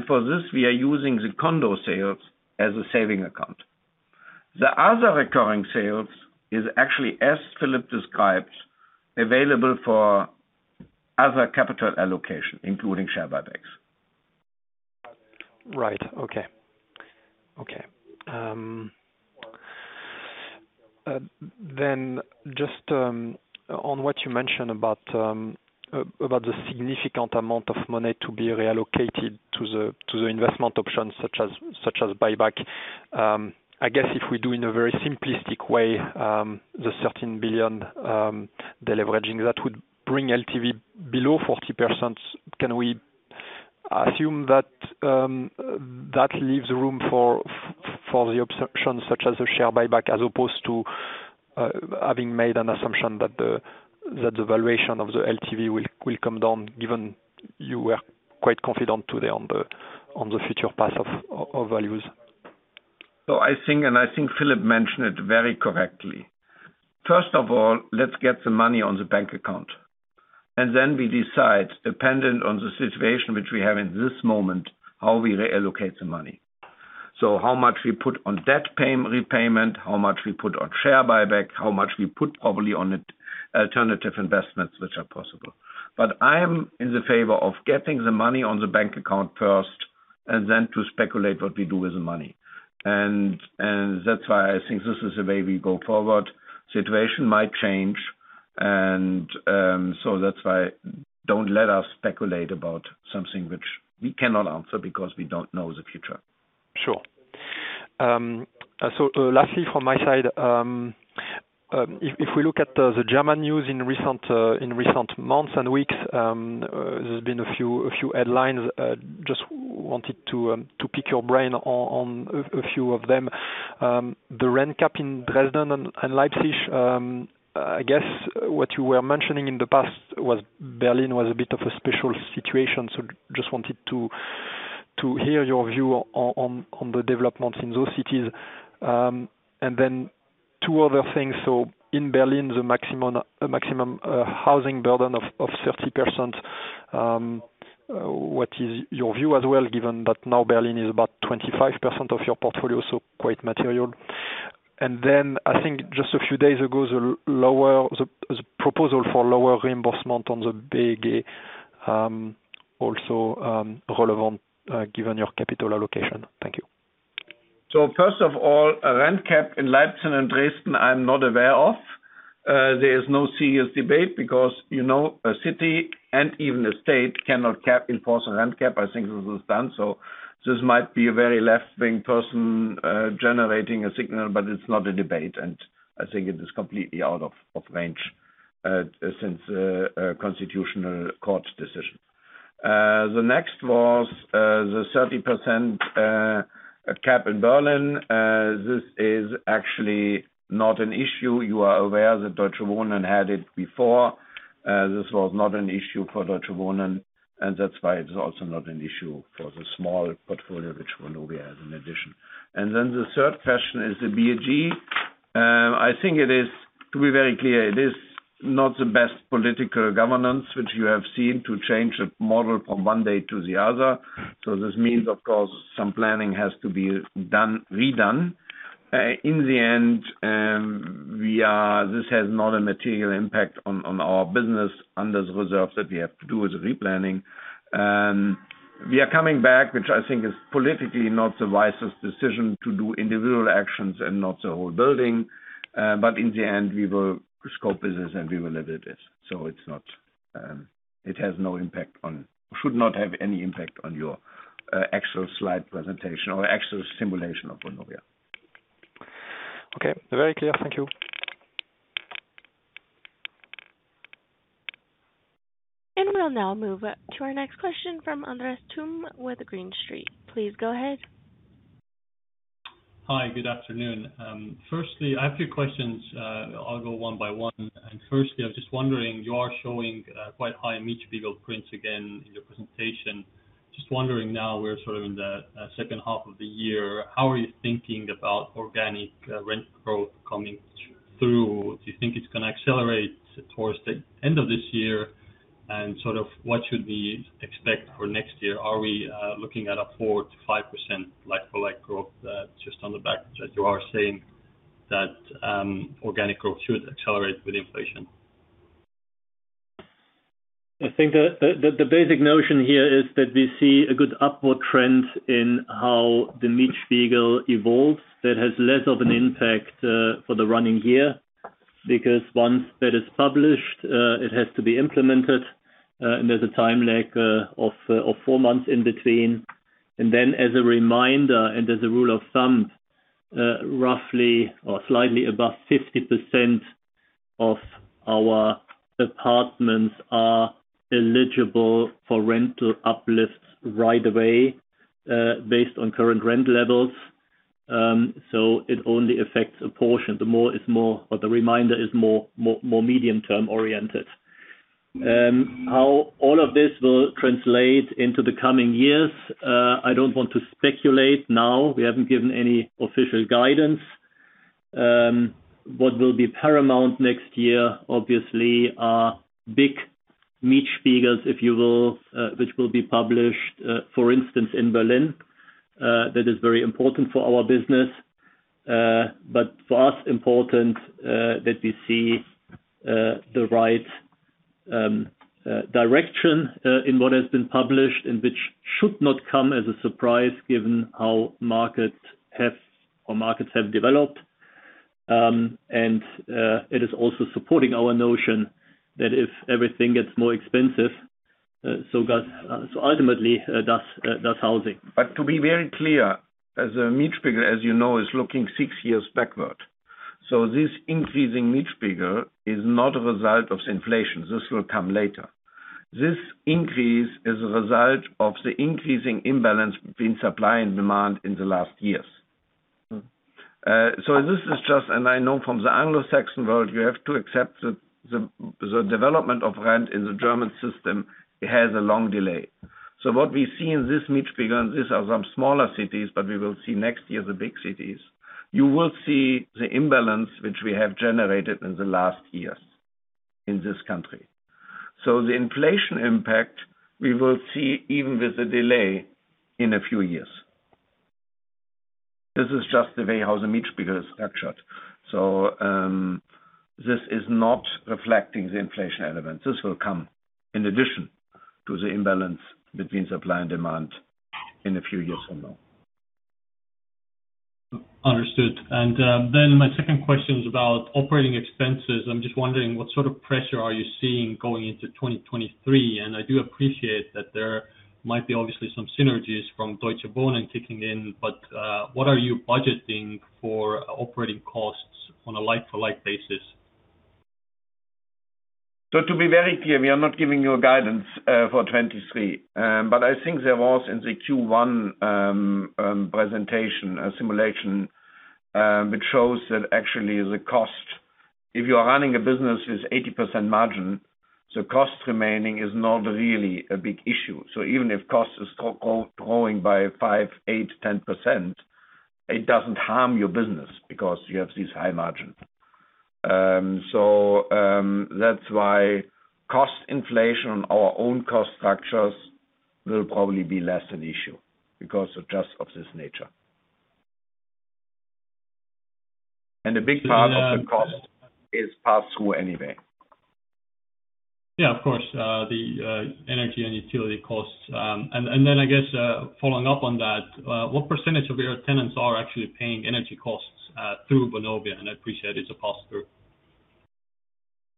For this, we are using the condo sales as a savings account. The other recurring sales is actually, as Philip described, available for other capital allocation, including share buybacks. Right. Okay. Okay. Just on what you mentioned about the significant amount of money to be reallocated to the investment options such as buyback. I guess if we do in a very simplistic way, the 13 billion deleveraging, that would bring LTV below 40%. Can we assume that leaves room for the options such as a share buyback, as opposed to having made an assumption that the valuation of the LTV will come down, given you were quite confident today on the future path of values? I think, and I think Philipp mentioned it very correctly. First of all, let's get the money on the bank account, and then we decide, dependent on the situation which we have in this moment, how we reallocate the money. How much we put on debt repayment, how much we put on share buyback, how much we put probably on alternative investments which are possible. But I am in the favor of getting the money on the bank account first and then to speculate what we do with the money. And that's why I think this is the way we go forward. Situation might change and, so that's why don't let us speculate about something which we cannot answer because we don't know the future. Sure. Lastly from my side, if we look at the German news in recent months and weeks, there's been a few headlines. Just wanted to pick your brain on a few of them. The rent cap in Dresden and Leipzig. I guess what you were mentioning in the past was Berlin was a bit of a special situation. Just wanted to hear your view on the development in those cities. Then two other things. In Berlin, the maximum housing burden of 30%. What is your view as well, given that now Berlin is about 25% of your portfolio, so quite material.I think just a few days ago, the proposal for lower reimbursement on the BEG, also relevant, given your capital allocation. Thank you. First of all, a rent cap in Leipzig and Dresden, I'm not aware of. There is no serious debate because, you know, a city and even a state cannot cap, enforce a rent cap. I think this is done. This might be a very left-wing person generating a signal, but it's not a debate. I think it is completely out of range since a constitutional court decision. The next was the 30% cap in Berlin. This is actually not an issue. You are aware that Deutsche Wohnen had it before. This was not an issue for Deutsche Wohnen, and that's why it's also not an issue for the small portfolio, which Vonovia has in addition. The third question is the BEG. I think it is, to be very clear, it is not the best political governance which you have seen to change a model from one day to the other. This means, of course, some planning has to be redone. In the end, this has not a material impact on our business under the reserves that we have to do with replanning. We are coming back, which I think is politically not the wisest decision to do individual actions and not the whole building. In the end, we will cope with this and we will live with this. It's not. It has no impact. Should not have any impact on your actual slide presentation or actual simulation of Vonovia. Okay. Very clear. Thank you. We'll now move to our next question from Andres Toome with Green Street. Please go ahead. Hi. Good afternoon. Firstly, I have a few questions. I'll go one by one. Firstly, I was just wondering, you are showing quite high Mietspiegel prints again in your presentation. Just wondering now we're sort of in the second half of the year, how are you thinking about organic rent growth coming through? Do you think it's gonna accelerate towards the end of this year? What should we expect for next year? Are we looking at a 4%-5% like-for-like growth just on the back, as you are saying that organic growth should accelerate with inflation? I think the basic notion here is that we see a good upward trend in how the Mietspiegel evolves that has less of an impact for the running year. Because once that is published, it has to be implemented, and there's a time lag of four months in between. Then as a reminder, and as a rule of thumb, roughly or slightly above 50% of our apartments are eligible for rental uplifts right away, based on current rent levels. So it only affects a portion. The reminder is more medium term oriented. How all of this will translate into the coming years, I don't want to speculate now. We haven't given any official guidance. What will be paramount next year, obviously, are big Mietspiegels, if you will, which will be published, for instance in Berlin. That is very important for our business. For us important, that we see the right direction in what has been published, and which should not come as a surprise given how markets have developed. It is also supporting our notion that if everything gets more expensive, so ultimately does housing. To be very clear, as a Mietspiegel, as you know, is looking six years backward. This increasing Mietspiegel is not a result of inflation. This will come later. This increase is a result of the increasing imbalance between supply and demand in the last years. Mm-hmm. I know from the Anglo-Saxon world, you have to accept that the development of rent in the German system, it has a long delay. What we see in this Mietspiegel, and these are some smaller cities, but we will see next year the big cities. You will see the imbalance which we have generated in the last years in this country. The inflation impact, we will see even with the delay in a few years. This is just the way how the Mietspiegel is structured. This is not reflecting the inflation element. This will come in addition to the imbalance between supply and demand in a few years from now. Understood. My second question is about operating expenses. I'm just wondering what sort of pressure are you seeing going into 2023? I do appreciate that there might be obviously some synergies from Deutsche Wohnen kicking in, but what are you budgeting for operating costs on a like-for-like basis? To be very clear, we are not giving you a guidance for 2023. I think there was in the Q1 presentation a simulation which shows that actually the cost, if you are running a business with 80% margin, the cost remaining is not really a big issue. Even if cost is growing by 5%, 8%, 10%, it doesn't harm your business because you have these high margins. That's why cost inflation on our own cost structures will probably be less an issue because of just of this nature. A big part of the cost is passed through anyway. Yeah, of course, the energy and utility costs. I guess, following up on that, what percentage of your tenants are actually paying energy costs through Vonovia? I appreciate it's a pass-through.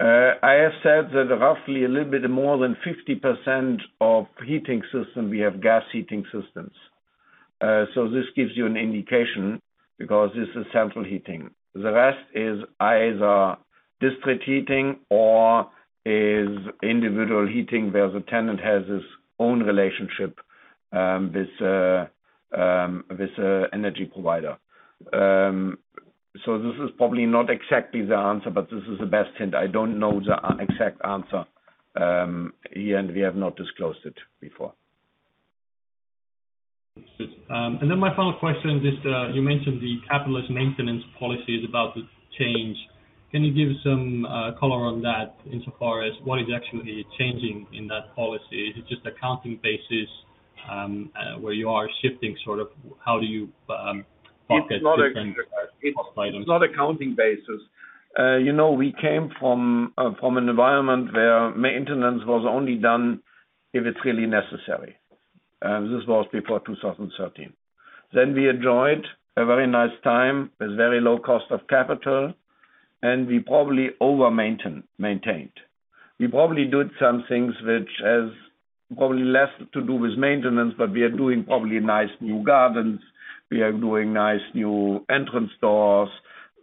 I have said that roughly a little bit more than 50% of heating system, we have gas heating systems. This gives you an indication because this is central heating. The rest is either district heating or is individual heating, where the tenant has his own relationship, with a energy provider. This is probably not exactly the answer, but this is the best hint. I don't know the exact answer here, and we have not disclosed it before. My final question is, you mentioned the capital maintenance policy is about to change. Can you give some color on that insofar as what is actually changing in that policy? Is it just accounting basis where you are shifting sort of how do you bucket different cost items? It's not accounting basis. You know, we came from an environment where maintenance was only done if it's really necessary. This was before 2013. We enjoyed a very nice time with very low cost of capital, and we probably overmaintained. We probably did some things which has probably less to do with maintenance, but we are doing probably nice new gardens. We are doing nice new entrance doors.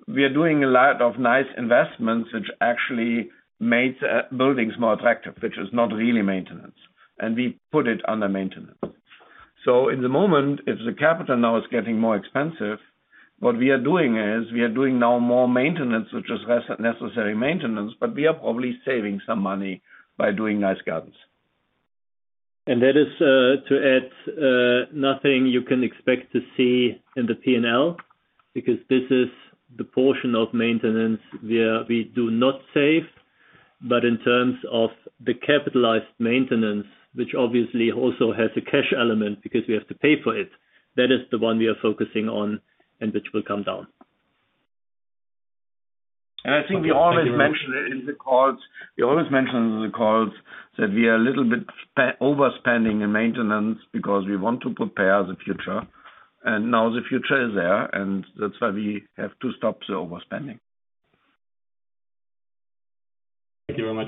We are doing a lot of nice investments which actually makes buildings more attractive, which is not really maintenance, and we put it under maintenance. In the moment, if the capital now is getting more expensive. What we are doing is we are doing now more maintenance, which is less necessary maintenance, but we are probably saving some money by doing nice gardens. That is, to add, nothing you can expect to see in the P&L because this is the portion of maintenance where we do not save. In terms of the capitalized maintenance, which obviously also has a cash element because we have to pay for it, that is the one we are focusing on and which will come down. I think we always mention it in the calls that we are a little bit overspending in maintenance because we want to prepare the future and now the future is there, and that's why we have to stop the overspending. Thank you very much.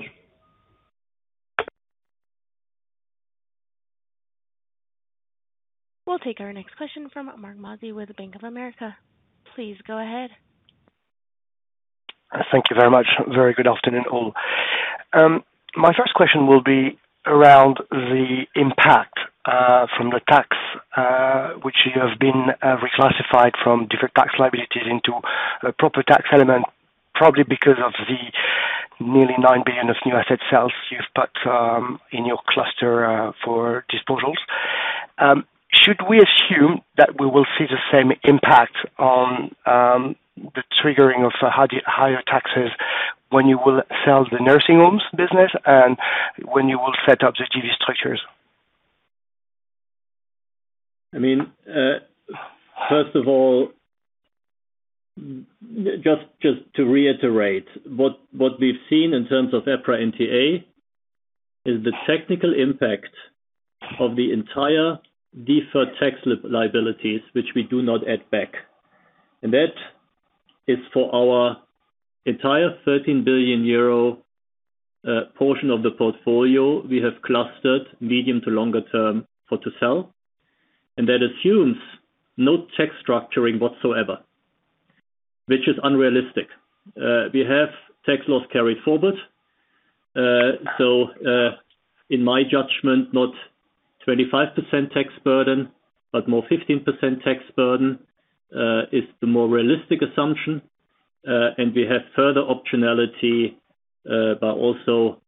We'll take our next question from Marc Mozzi with Bank of America. Please go ahead. Thank you very much. Very good afternoon, all. My first question will be around the impact from the tax which you have been reclassified from different tax liabilities into a proper tax element, probably because of the nearly 9 billion of new asset sales you've put in your cluster for disposals. Should we assume that we will see the same impact on the triggering of higher taxes when you will sell the nursing homes business and when you will set up the JV structures? I mean, first of all, just to reiterate, what we've seen in terms of EPRA NTA is the technical impact of the entire deferred tax liabilities, which we do not add back. That is for our entire 13 billion euro portion of the portfolio we have clustered medium to longer term for to sell. That assumes no tax structuring whatsoever, which is unrealistic. We have tax loss carried forward. In my judgment, not 25% tax burden, but more 15% tax burden is the more realistic assumption. We have further optionality by also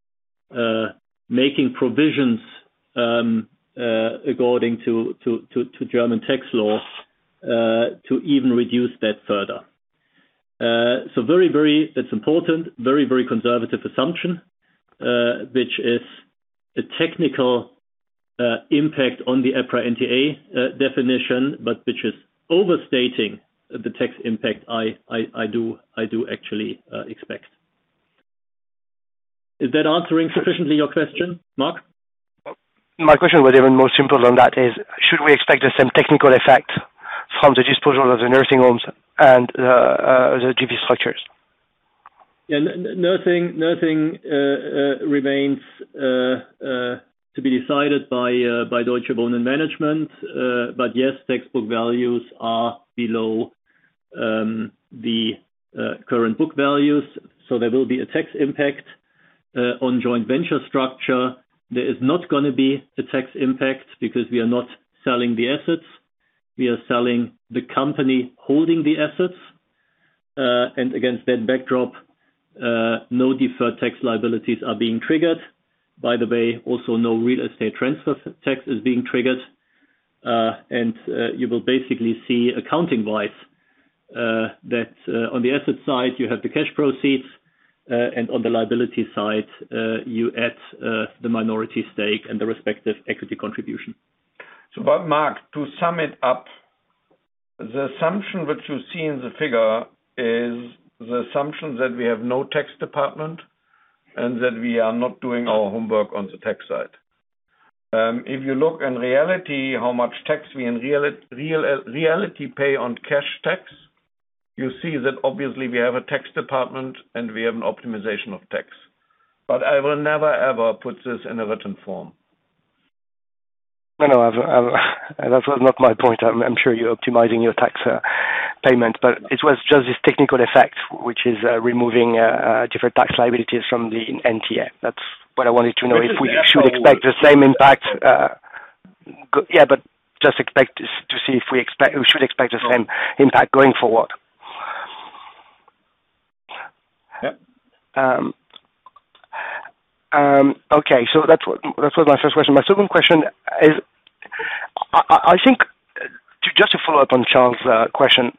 making provisions according to German tax laws to even reduce that further. That's important, very conservative assumption, which is a technical impact on the EPRA NTA definition, but which is overstating the tax impact I do actually expect. Is that answering sufficiently your question, Mark? My question was even more simple than that, should we expect the same technical effect from the disposal of the nursing homes and the JV structures? Yeah. Nothing remains to be decided by Deutsche Wohnen management. Yes, textbook values are below the current book values. There will be a tax impact on joint venture structure. There is not gonna be a tax impact because we are not selling the assets. We are selling the company holding the assets. Against that backdrop, no deferred tax liabilities are being triggered. By the way, also no real estate transfer tax is being triggered. You will basically see accounting wise that on the asset side you have the cash proceeds and on the liability side you add the minority stake and the respective equity contribution. Mark, to sum it up, the assumption which you see in the figure is the assumption that we have no tax department and that we are not doing our homework on the tax side. If you look in reality how much tax we in reality pay on cash tax, you see that obviously we have a tax department and we have an optimization of tax. But I will never, ever put this in a written form. No, no. That was not my point. I'm sure you're optimizing your tax payment, but it was just this technical effect which is removing deferred tax liabilities from the NTA. That's what I wanted to know. This is yes or no. If we should expect the same impact. Yeah, just expect to see if we should expect the same impact going forward. Yeah. Okay. That was my first question. My second question is I think to just follow up on Charles' question.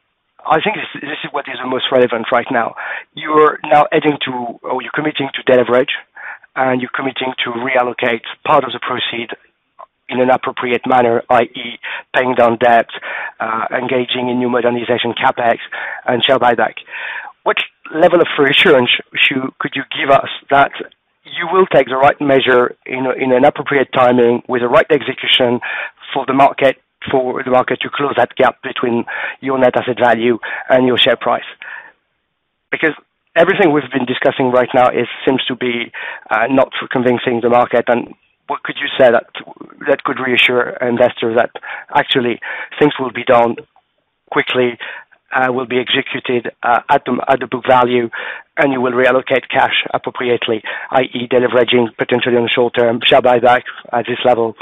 I think this is what is the most relevant right now. You're now adding to or you're committing to de-leverage and you're committing to reallocate part of the proceeds in an appropriate manner, i.e. paying down debt, engaging in new modernization CapEx and share buyback. Which level of reassurance could you give us that you will take the right measure in an appropriate timing with the right execution for the market to close that gap between your net asset value and your share price? Because everything we've been discussing right now seems to be not convincing the market. What could you say that could reassure investors that actually things will be done quickly, will be executed, at the book value and you will reallocate cash appropriately, i.e. de-leveraging potentially in the short term, share buyback at this level?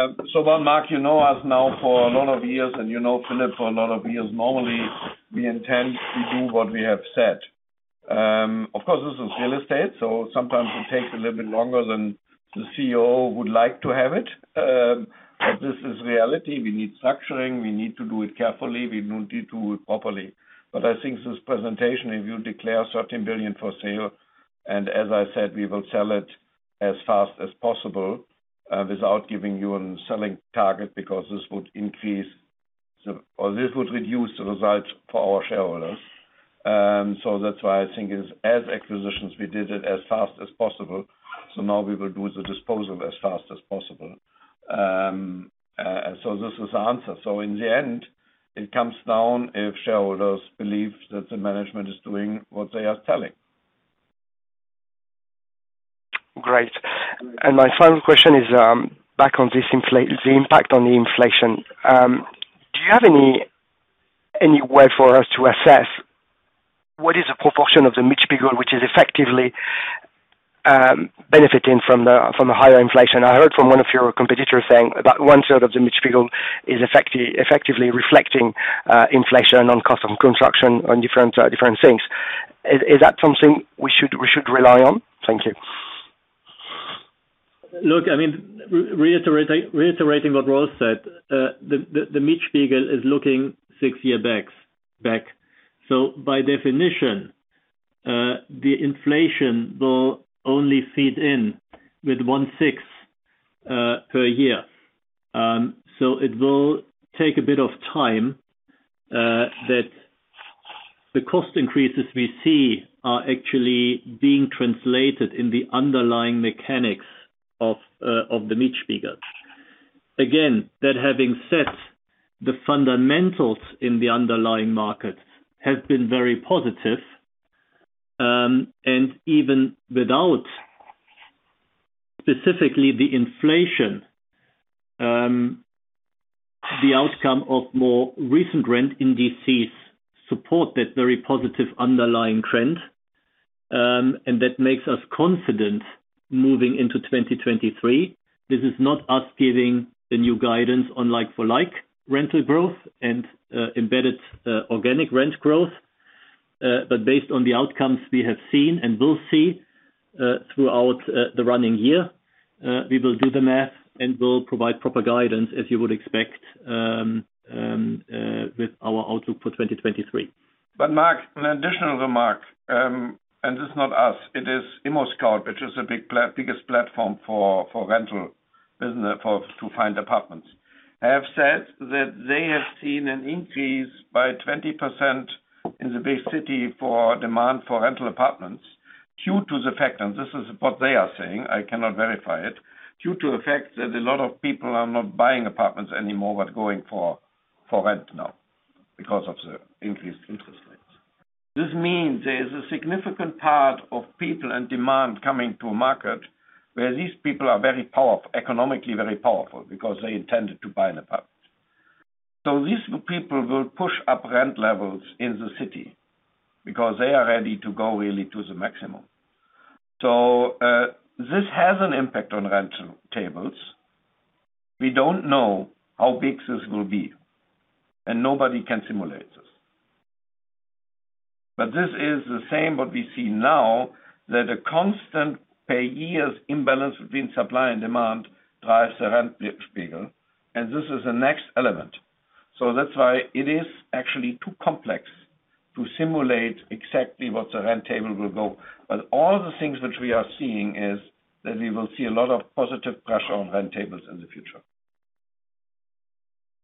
Well, Mark, you know us now for a lot of years, and you know Philip for a lot of years. Normally, we intend to do what we have said. Of course, this is real estate, so sometimes it takes a little bit longer than the CEO would like to have it. This is reality. We need structuring. We need to do it carefully. We need to do it properly. I think this presentation, if you declare 13 billion for sale, and as I said, we will sell it as fast as possible, without giving you a selling target because this would reduce the results for our shareholders. That's why I think as acquisitions, we did it as fast as possible. Now we will do the disposal as fast as possible. This is the answer. In the end, it comes down if shareholders believe that the management is doing what they are telling. Great. My final question is, back on this, the impact on the inflation. Do you have any way for us to assess what is the proportion of the Mietspiegel which is effectively benefiting from the higher inflation? I heard from one of your competitors saying about one-third of the Mietspiegel is effectively reflecting inflation on custom construction on different things. Is that something we should rely on? Thank you. Look, I mean, reiterating what Rolf said, the Mietspiegel is looking six years back. By definition, the inflation will only feed in with one-sixth per year. It will take a bit of time that the cost increases we see are actually being translated in the underlying mechanics of the Mietspiegel. Again, that having said, the fundamentals in the underlying market have been very positive, and even without specifically the inflation, the outcome of more recent rent indices support that very positive underlying trend, and that makes us confident moving into 2023. This is not us giving the new guidance on like-for-like rental growth and embedded organic rent growth. Based on the outcomes we have seen and will see throughout the running year, we will do the math, and we'll provide proper guidance, as you would expect, with our outlook for 2023. Mark, an additional remark, and this is not us, it is ImmoScout24, which is the biggest platform for rental business to find apartments. They have said that they have seen an increase by 20% in the big city for demand for rental apartments due to the fact, and this is what they are saying, I cannot verify it, due to the fact that a lot of people are not buying apartments anymore, but going for rent now because of the increased interest rates. This means there is a significant part of people and demand coming to market where these people are economically very powerful because they intended to buy an apartment. This has an impact on rental tables. We don't know how big this will be, and nobody can simulate this. This is the same what we see now, that a constant pay years imbalance between supply and demand drives the rent Mietspiegel, and this is the next element. That's why it is actually too complex to simulate exactly what the rent table will go. All the things which we are seeing is that we will see a lot of positive pressure on rent tables in the future.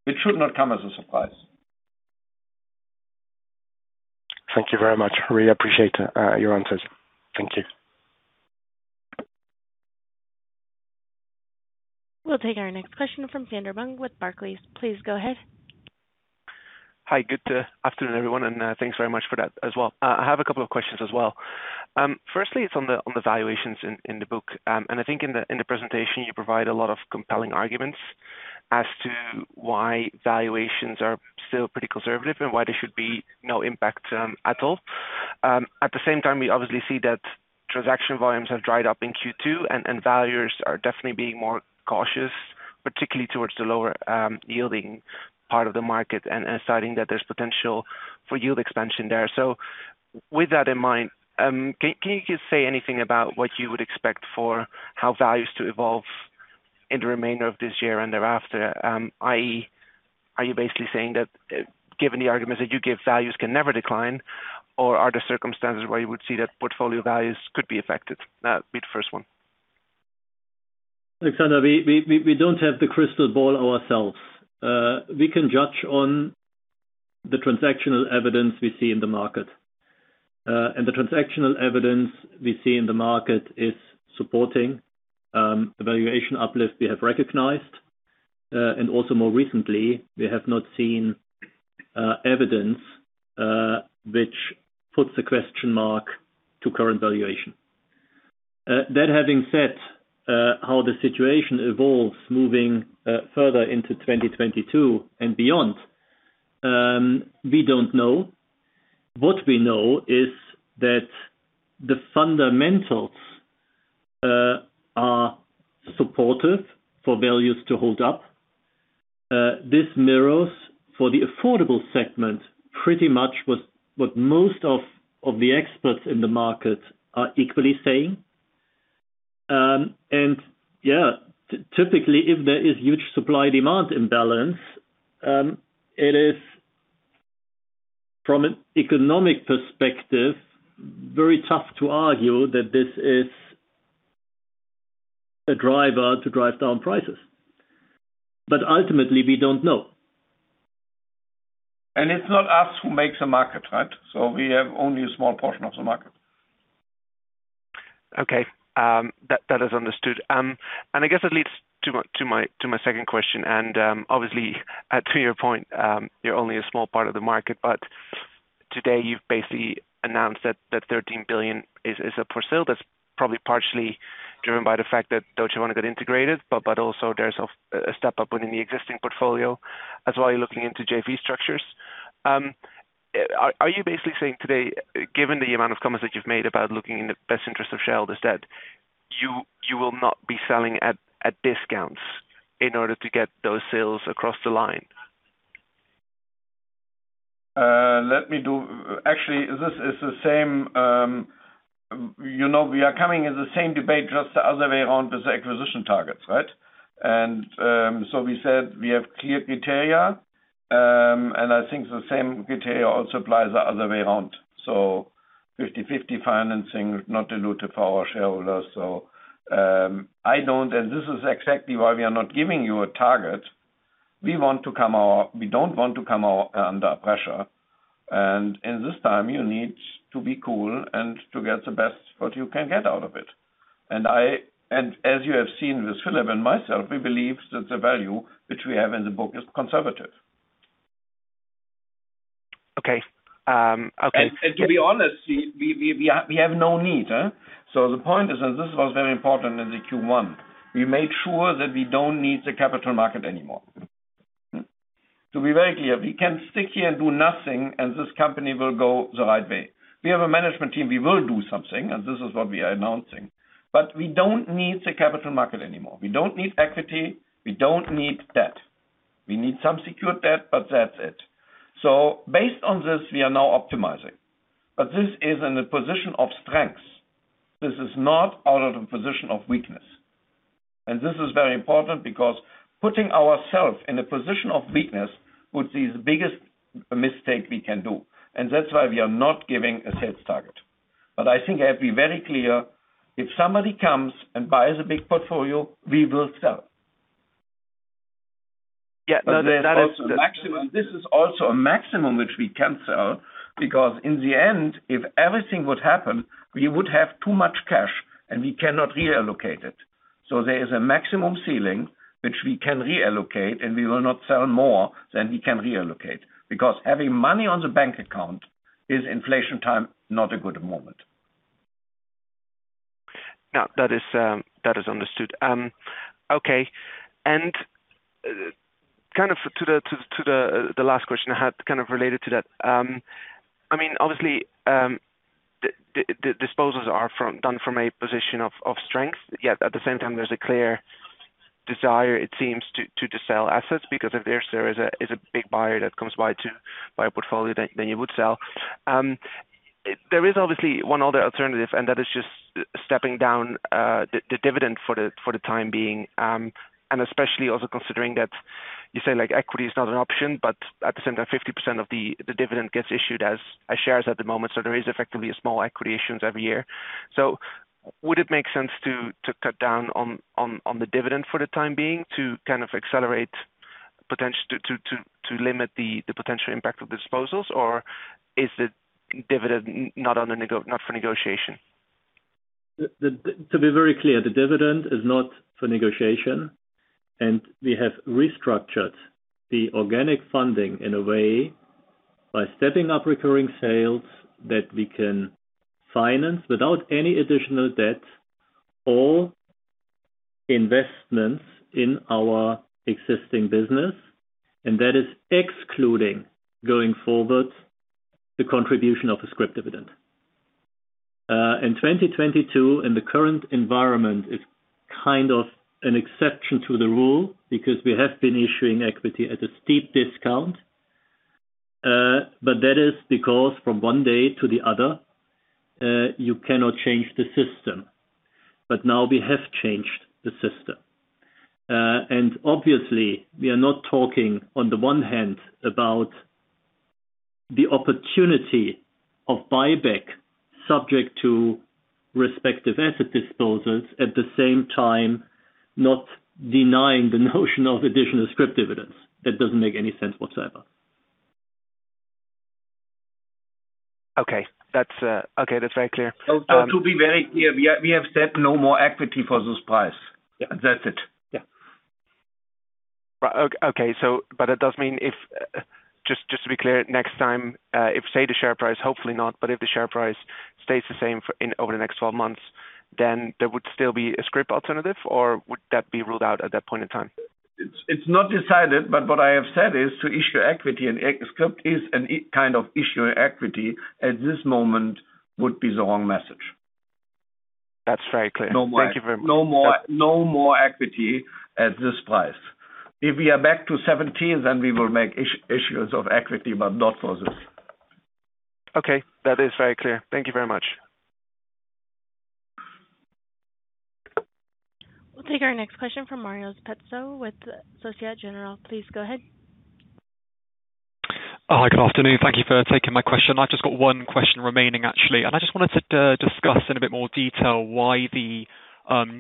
It should not come as a surprise. Thank you very much. Really appreciate, your answers. Thank you. We'll take our next question from with Barclays. Please go ahead. Hi. Good afternoon, everyone, and thanks very much for that as well. I have a couple of questions as well. Firstly, it's on the valuations in the book. I think in the presentation, you provide a lot of compelling arguments as to why valuations are still pretty conservative and why there should be no impact at all. At the same time, we obviously see that transaction volumes have dried up in Q2, and valuers are definitely being more cautious, particularly towards the lower yielding part of the market and citing that there's potential for yield expansion there. With that in mind, can you just say anything about what you would expect for how values to evolve in the remainder of this year and thereafter? i.e. Are you basically saying that, given the arguments that you give, values can never decline, or are there circumstances where you would see that portfolio values could be affected? That would be the first one. Alexander, we don't have the crystal ball ourselves. We can judge on the transactional evidence we see in the market. The transactional evidence we see in the market is supporting the valuation uplift we have recognized. Also more recently, we have not seen evidence which puts a question mark to current valuation. That having said, how the situation evolves moving further into 2022 and beyond, we don't know. What we know is that the fundamentals are supportive for values to hold up. This mirrors for the affordable segment pretty much what most of the experts in the market are equally saying. Typically, if there is huge supply-demand imbalance, it is from an economic perspective very tough to argue that this is a driver to drive down prices. Ultimately, we don't know. It's not us who makes the market, right? We have only a small portion of the market. Okay. That is understood. I guess that leads to my second question. Obviously, to your point, you're only a small part of the market, but today you've basically announced that 13 billion is up for sale. That's probably partially driven by the fact that Deutsche Wohnen want to get integrated, but also there's a step up within the existing portfolio. That's why you're looking into JV structures. Are you basically saying today, given the amount of comments that you've made about looking in the best interest of shareholders, that you will not be selling at discounts in order to get those sales across the line? Actually, this is the same, you know, we are coming in the same debate just the other way around with the acquisition targets, right? We said we have clear criteria, and I think the same criteria also applies the other way around. 50-50 financing not diluted for our shareholders. This is exactly why we are not giving you a target. We don't want to come out under pressure. In this time you need to be cool and to get the best what you can get out of it. As you have seen with Philipp and myself, we believe that the value which we have in the book is conservative. Okay. To be honest, we have no need. The point is, and this was very important in the Q1, we made sure that we don't need the capital market anymore. To be very clear, we can stick here and do nothing, and this company will go the right way. We have a management team, we will do something, and this is what we are announcing. We don't need the capital market anymore. We don't need equity. We don't need debt. We need some secured debt, but that's it. Based on this, we are now optimizing. This is in a position of strength. This is not out of a position of weakness. This is very important because putting ourselves in a position of weakness would be the biggest mistake we can do. That's why we are not giving a sales target. I think I have to be very clear. If somebody comes and buys a big portfolio, we will sell. Yeah. No, that is. This is also a maximum which we can sell because in the end, if everything would happen, we would have too much cash and we cannot reallocate it. There is a maximum ceiling which we can reallocate, and we will not sell more than we can reallocate. Having money on the bank account is inflation time, not a good moment. No, that is understood. Okay. Kind of to the last question I had kind of related to that. I mean, obviously, the disposals are done from a position of strength, yet at the same time there's a clear desire, it seems, to sell assets because if there is a big buyer that comes by to buy a portfolio, then you would sell. There is obviously one other alternative, and that is just stepping down the dividend for the time being. Especially also considering that you say like equity is not an option, but at the same time, 50% of the dividend gets issued as shares at the moment. There is effectively a small equity issuance every year. Would it make sense to cut down on the dividend for the time being to kind of accelerate potential to limit the potential impact of disposals? Or is the dividend not for negotiation? To be very clear, the dividend is not for negotiation. We have restructured the organic funding in a way by stepping up recurring sales that we can finance without any additional debt or investments in our existing business. That is excluding going forward the contribution of a scrip dividend. In 2022 and the current environment is kind of an exception to the rule because we have been issuing equity at a steep discount. That is because from one day to the other, you cannot change the system. Now we have changed the system. Obviously we are not talking on the one hand about the opportunity of buyback subject to respective asset disposals, at the same time not denying the notion of additional scrip dividends. That doesn't make any sense whatsoever. Okay, that's very clear. To be very clear, we have said no more equity for this price. Yeah. That's it. Yeah. Right. Okay. It does mean, just to be clear, next time, if, say, the share price, hopefully not, but if the share price stays the same, for instance, over the next 12 months- there would still be a scrip alternative or would that be ruled out at that point in time? It's not decided, but what I have said is to issue equity and scrip is a kind of issuing equity at this moment would be the wrong message. That's very clear. Thank you very much. No more equity at this price. If we are back to 17, then we will make issues of equity, but not for this. Okay. That is very clear. Thank you very much. We'll take our next question from Mario Petzo with Société Générale. Please go ahead. Hi, good afternoon. Thank you for taking my question. I've just got one question remaining, actually. I just wanted to discuss in a bit more detail why the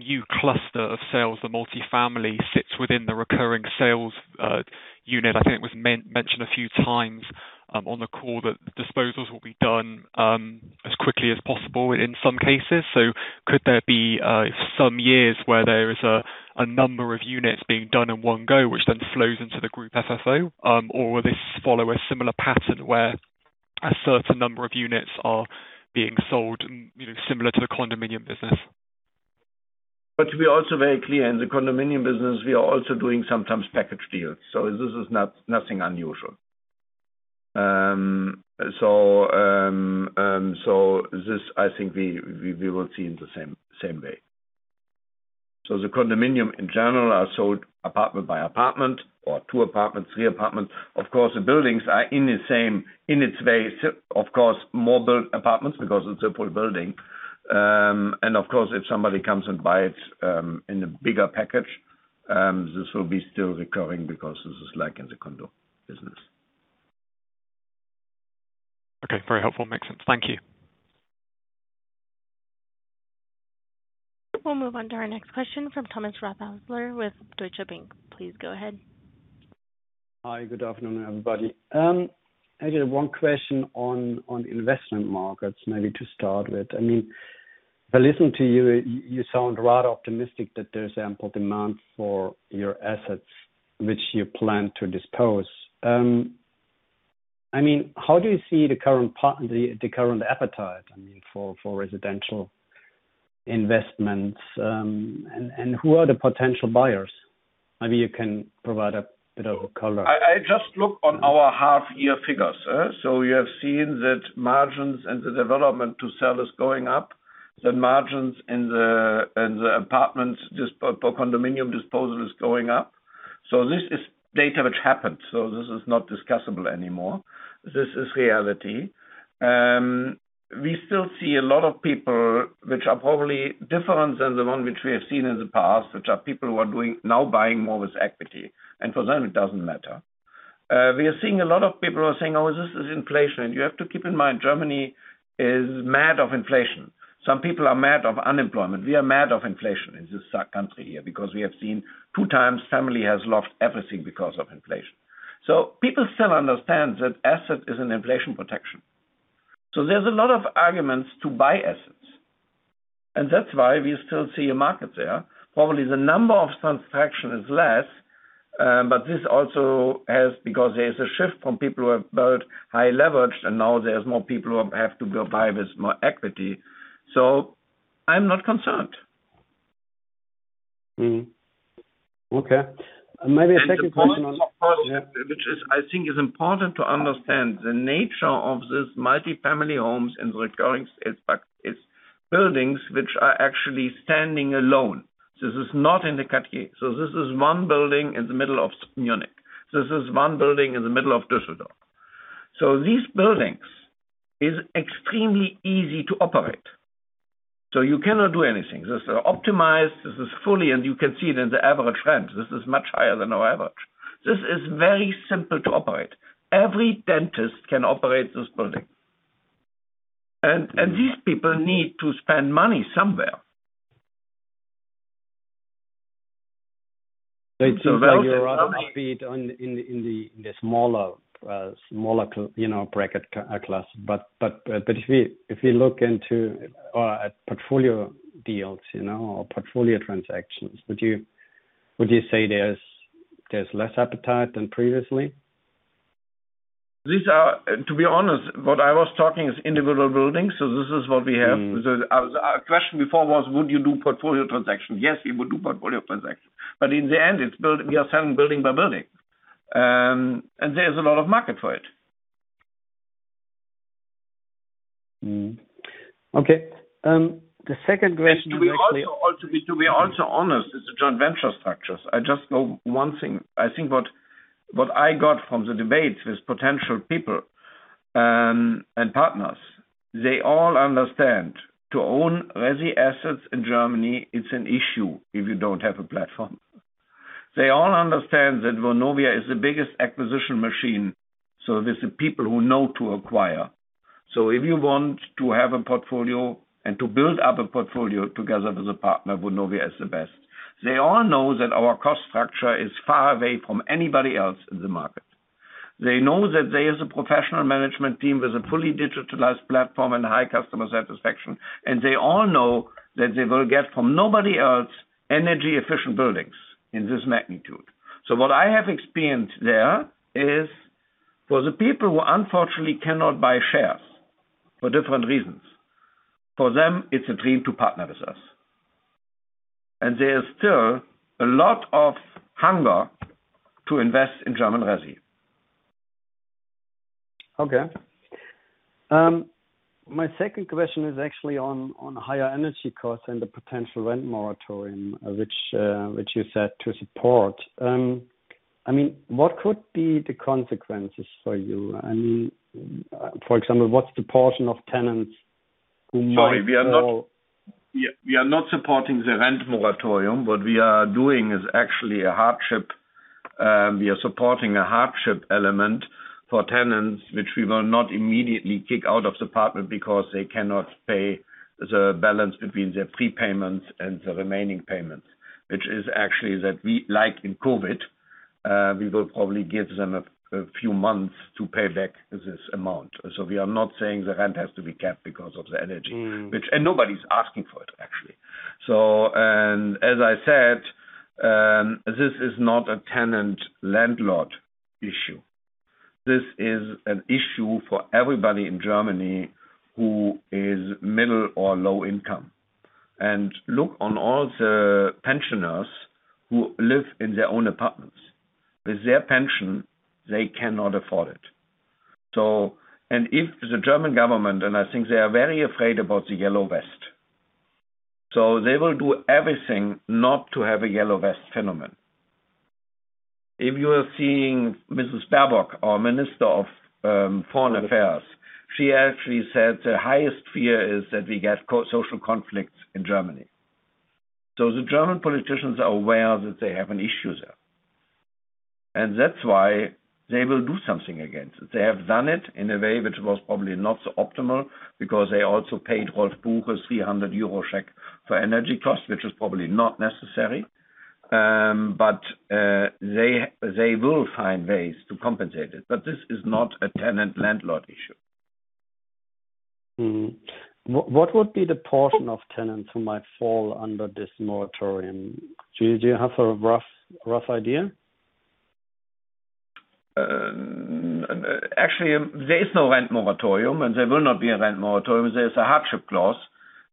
new cluster of sales, the multifamily, sits within the recurring sales unit. I think it was mentioned a few times on the call that the disposals will be done as quickly as possible in some cases. Could there be some years where there is a number of units being done in one go, which then flows into the group FFO? Or will this follow a similar pattern where a certain number of units are being sold and, you know, similar to the condominium business. To be also very clear, in the condominium business, we are also doing sometimes package deals, so this is nothing unusual. I think we will see in the same way. The condominium in general are sold apartment by apartment or two apartments, three apartments. Of course, the buildings are in the same, in its way, of course, more built apartments because it's a full building. Of course, if somebody comes and buys in a bigger package, this will be still recurring because this is like in the condo business. Okay. Very helpful. Makes sense. Thank you. We'll move on to our next question from Thomas Rothausler with Deutsche Bank. Please go ahead. Hi, good afternoon, everybody. I just have one question on investment markets, maybe to start with. I mean, I listen to you sound rather optimistic that there's ample demand for your assets which you plan to dispose. I mean, how do you see the current part, the current appetite, I mean, for residential investments, and who are the potential buyers? Maybe you can provide a bit of color. I just look on our half-year figures, so you have seen that margins and the development to sell is going up. The margins in the apartments for condominium disposal is going up. This is data which happened. This is not discussable anymore. This is reality. We still see a lot of people which are probably different than the one which we have seen in the past, which are people who are now buying more with equity, and for them it doesn't matter. We are seeing a lot of people who are saying, "Oh, this is inflation." You have to keep in mind, Germany is made of inflation. Some people are made of unemployment. We are made of inflation in this, our country here because we have seen two times family has lost everything because of inflation. People still understand that asset is an inflation protection. There's a lot of arguments to buy assets, and that's why we still see a market there. Probably the number of transactions is less, but this also happens because there's a shift from people who are highly leveraged and now there's more people who have to go buy with more equity. I'm not concerned. Okay. Maybe a second question on. Which, I think, is important to understand the nature of this multi-family homes and recurring city's buildings which are actually standing alone. This is not in the category. This is one building in the middle of Munich. This is one building in the middle of Düsseldorf. These buildings is extremely easy to operate. You cannot do anything. This is optimized. This is fully, and you can see it in the average rent. This is much higher than our average. This is very simple to operate. Every dentist can operate this building. And these people need to spend money somewhere. It seems like you're rather upbeat on the smaller, you know, bracket class. If you look into or at portfolio deals, you know, or portfolio transactions, would you say there's less appetite than previously? To be honest, what I was talking is individual buildings. This is what we have. Mm-hmm. Our question before was, would you do portfolio transaction? Yes, we would do portfolio transaction. In the end, we are selling building by building, and there's a lot of market for it. Okay. The second question actually. To be honest, it's the joint venture structures. I just know one thing. I think what I got from the debate with potential people and partners, they all understand to own resi assets in Germany, it's an issue if you don't have a platform. They all understand that Vonovia is the biggest acquisition machine, so these are people who know to acquire. If you want to have a portfolio and to build up a portfolio together with a partner, Vonovia is the best. They all know that our cost structure is far away from anybody else in the market. They know that there is a professional management team with a fully digitalized platform and high customer satisfaction. They all know that they will get from nobody else energy-efficient buildings in this magnitude. What I have experienced there is. For the people who unfortunately cannot buy shares for different reasons, for them, it's a dream to partner with us. There's still a lot of hunger to invest in German resi. Okay. My second question is actually on higher energy costs and the potential rent moratorium, which you said to support. I mean, what could be the consequences for you? I mean, for example, what's the portion of tenants who might know- Sorry. We are not supporting the rent moratorium. What we are doing is actually a hardship. We are supporting a hardship element for tenants, which we will not immediately kick out of the apartment because they cannot pay the balance between their prepayments and the remaining payments, which is actually like in COVID, we will probably give them a few months to pay back this amount. We are not saying the rent has to be kept because of the energy. Mm. Nobody's asking for it actually. As I said, this is not a tenant-landlord issue. This is an issue for everybody in Germany who is middle or low income. Look on all the pensioners who live in their own apartments. With their pension, they cannot afford it. If the German government, I think they are very afraid about the Yellow Vest. They will do everything not to have a Yellow Vest phenomenon. If you are seeing Mrs. Baerbock, our Minister of Foreign Affairs, she actually said the highest fear is that we get social conflicts in Germany. The German politicians are aware that they have an issue there. That's why they will do something against it. They have done it in a way which was probably not so optimal because they also paid a voucher 300 euro check for energy costs, which was probably not necessary. They will find ways to compensate it. This is not a tenant-landlord issue. What would be the portion of tenants who might fall under this moratorium? Do you have a rough idea? Actually, there is no rent moratorium, and there will not be a rent moratorium. There's a hardship clause.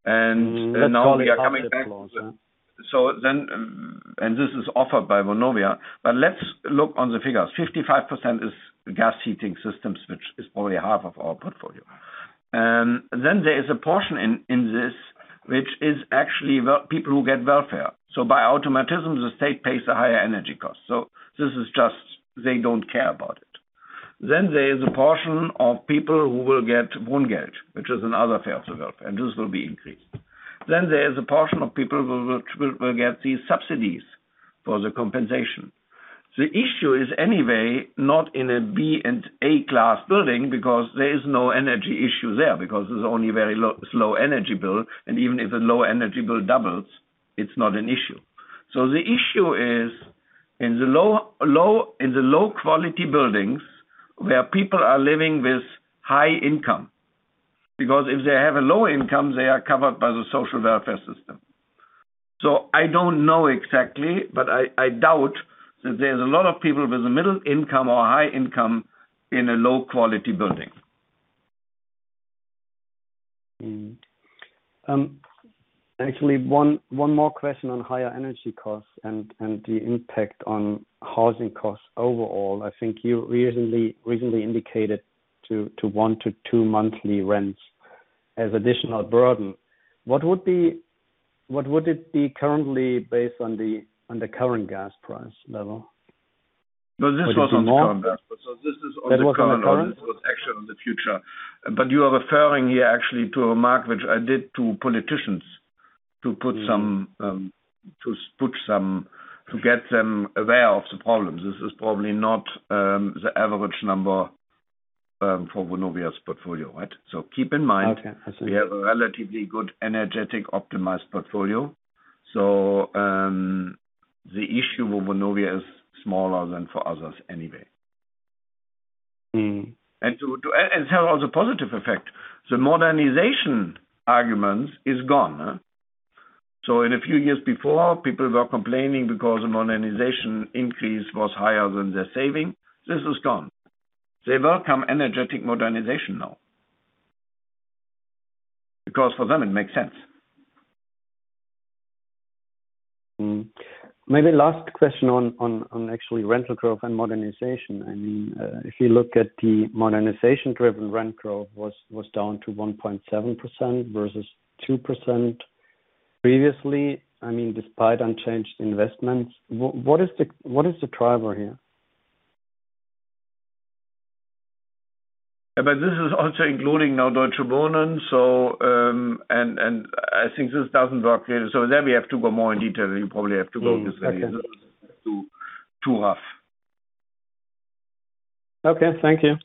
Now we are coming back- Let's call it hardship clause, yeah. This is offered by Vonovia. Let's look on the figures. 55% is gas heating systems, which is probably half of our portfolio. There is a portion in this which is actually people who get welfare. Automatically, the state pays the higher energy cost. This is just. They don't care about it. There is a portion of people who will get Wohngeld, which is another form of welfare, and this will be increased. There is a portion of people who will get these subsidies for the compensation. The issue is anyway not in a B and A class building because there is no energy issue there because there's only very low energy bill, and even if the low energy bill doubles, it's not an issue. The issue is in the low quality buildings where people are living with high income. Because if they have a low income, they are covered by the social welfare system. I don't know exactly, but I doubt that there's a lot of people with a middle income or high income in a low quality building. Actually, one more question on higher energy costs and the impact on housing costs overall. I think you recently indicated to one to two monthly rents as additional burden. What would it be currently based on the current gas price level? No, this was on the current gas price. That was on the current? It was actually on the future. You are referring here actually to a mark which I did to politicians to get them aware of the problems. This is probably not the average number for Vonovia's portfolio. Right? Keep in mind. Okay. I see. We have a relatively good energy optimized portfolio. The issue with Vonovia is smaller than for others anyway. Mm. It has also positive effect. The modernization argument is gone. In a few years before, people were complaining because the modernization increase was higher than their saving. This is gone. They welcome energetic modernization now. Because for them, it makes sense. Maybe last question on actually rental growth and modernization. I mean, if you look at the modernization-driven rent growth was down to 1.7% versus 2% previously. I mean, despite unchanged investments, what is the driver here? This is also including now Deutsche Wohnen. I think this doesn't work here. We have to go more in detail. You probably have to go with- Okay. Too rough. Okay. Thank you.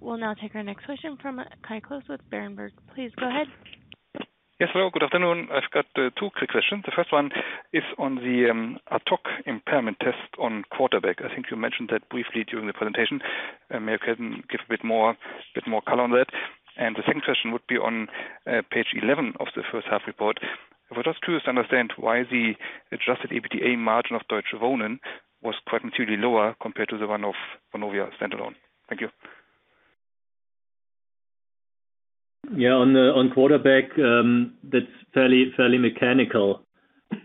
We'll now take our next question from Kai Klose with Berenberg. Please go ahead. Yes. Hello, good afternoon. I've got two quick questions. The first one is on the ATOC impairment test on QUARTERBACK. I think you mentioned that briefly during the presentation. Maybe you can give a bit more color on that. The second question would be on page 11 of the first half report. I was just curious to understand why the adjusted EBITDA margin of Deutsche Wohnen was quite materially lower compared to the one of Vonovia standalone. Thank you. On the QUARTERBACK, that's fairly mechanical.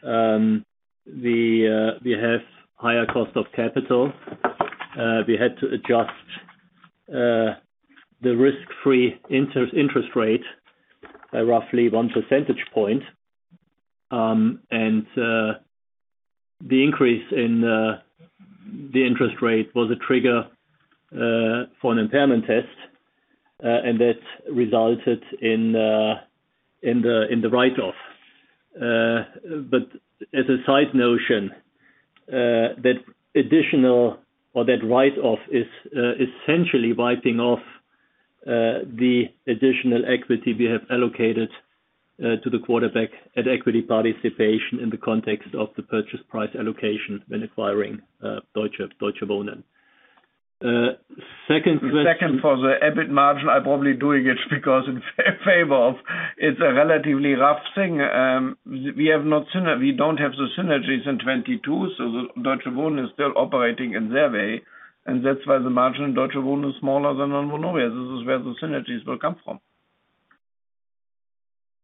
We have higher cost of capital. We had to adjust the risk-free interest rate by roughly one percentage point. The increase in the interest rate was a trigger for an impairment test, and that resulted in the write-off. As a side notion, that additional or that write-off is essentially wiping off the additional equity we have allocated to the QUARTERBACK at-equity participation in the context of the purchase price allocation when acquiring Deutsche Wohnen. Second question- Second, for the EBIT margin, I'm probably doing it because in favor of it's a relatively rough thing. We don't have the synergies in 2022, so the Deutsche Wohnen is still operating in their way, and that's why the margin in Deutsche Wohnen is smaller than on Vonovia. This is where the synergies will come from.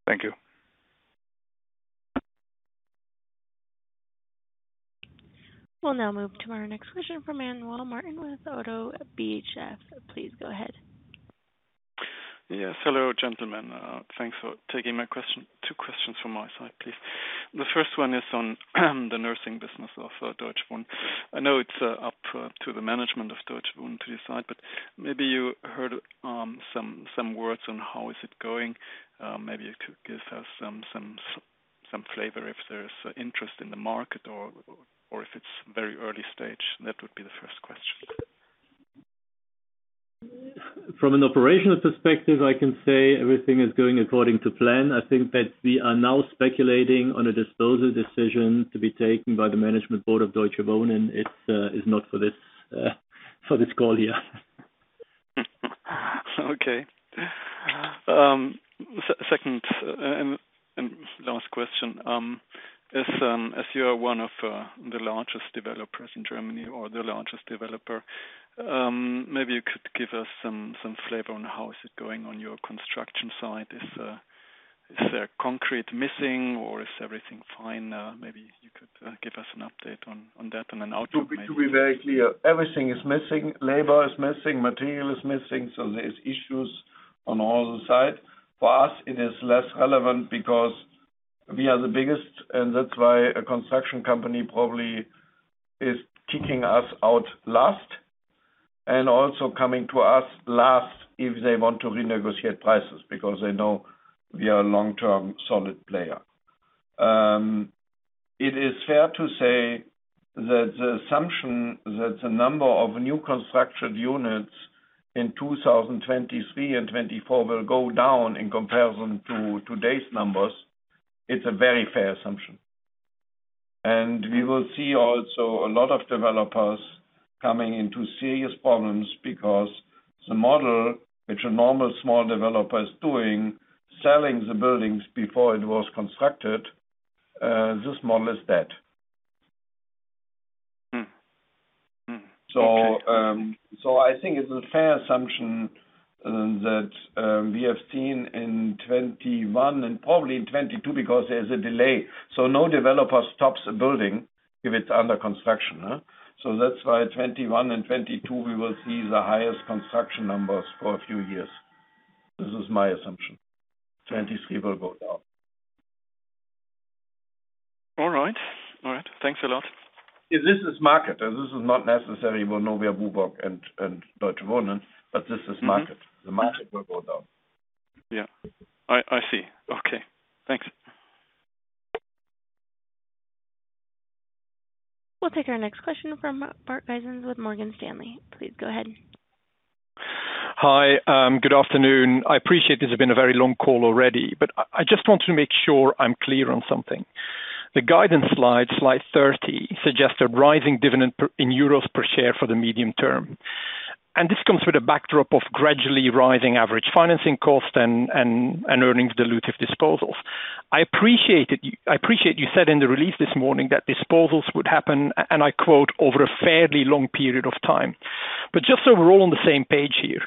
Thank you. We'll now move to our next question from Manuel Martin with ODDO BHF. Please go ahead. Yes. Hello, gentlemen. Thanks for taking my question. Two questions from my side, please. The first one is on the nursing business of Deutsche Wohnen. I know it's up to the management of Deutsche Wohnen to decide, but maybe you heard some flavor if there's interest in the market or if it's very early stage. That would be the first question. From an operational perspective, I can say everything is going according to plan. I think that we are now speculating on a disposal decision to be taken by the management board of Deutsche Wohnen. It is not for this call here. Okay. Second and last question. As you are one of the largest developers in Germany or the largest developer, maybe you could give us some flavor on how is it going on your construction site. Is there concrete missing or is everything fine? Maybe you could give us an update on that and an outlook maybe. To be very clear, everything is missing. Labor is missing, material is missing, so there is issues on all the sides. For us, it is less relevant because we are the biggest, and that's why a construction company probably is kicking us out last and also coming to us last if they want to renegotiate prices, because they know we are a long-term solid player. It is fair to say that the assumption that the number of new construction units in 2023 and 2024 will go down in comparison to today's numbers, it's a very fair assumption. We will see also a lot of developers coming into serious problems because the model which a normal small developer is doing, selling the buildings before it was constructed, this model is dead. Okay. I think it's a fair assumption that we have seen in 2021 and probably in 2022 because there's a delay. No developer stops a building if it's under construction, huh? That's why 2021 and 2022 we will see the highest construction numbers for a few years. This is my assumption. 2023 will go down. All right. Thanks a lot. This is market. This is not necessarily Vonovia, BUWOG and Deutsche Wohnen, but this is market. Mm-hmm. The market will go down. Yeah. I see. Okay. Thanks. We'll take our next question from, Bart Gysens with Morgan Stanley. Please go ahead. Hi. Good afternoon. I appreciate this has been a very long call already, but I just want to make sure I'm clear on something. The guidance slide 30, suggests a rising dividend per, in euros per share for the medium term, and this comes with a backdrop of gradually rising average financing costs and earnings dilutive disposals. I appreciate you said in the release this morning that disposals would happen, and I quote, "Over a fairly long period of time." Just so we're all on the same page here,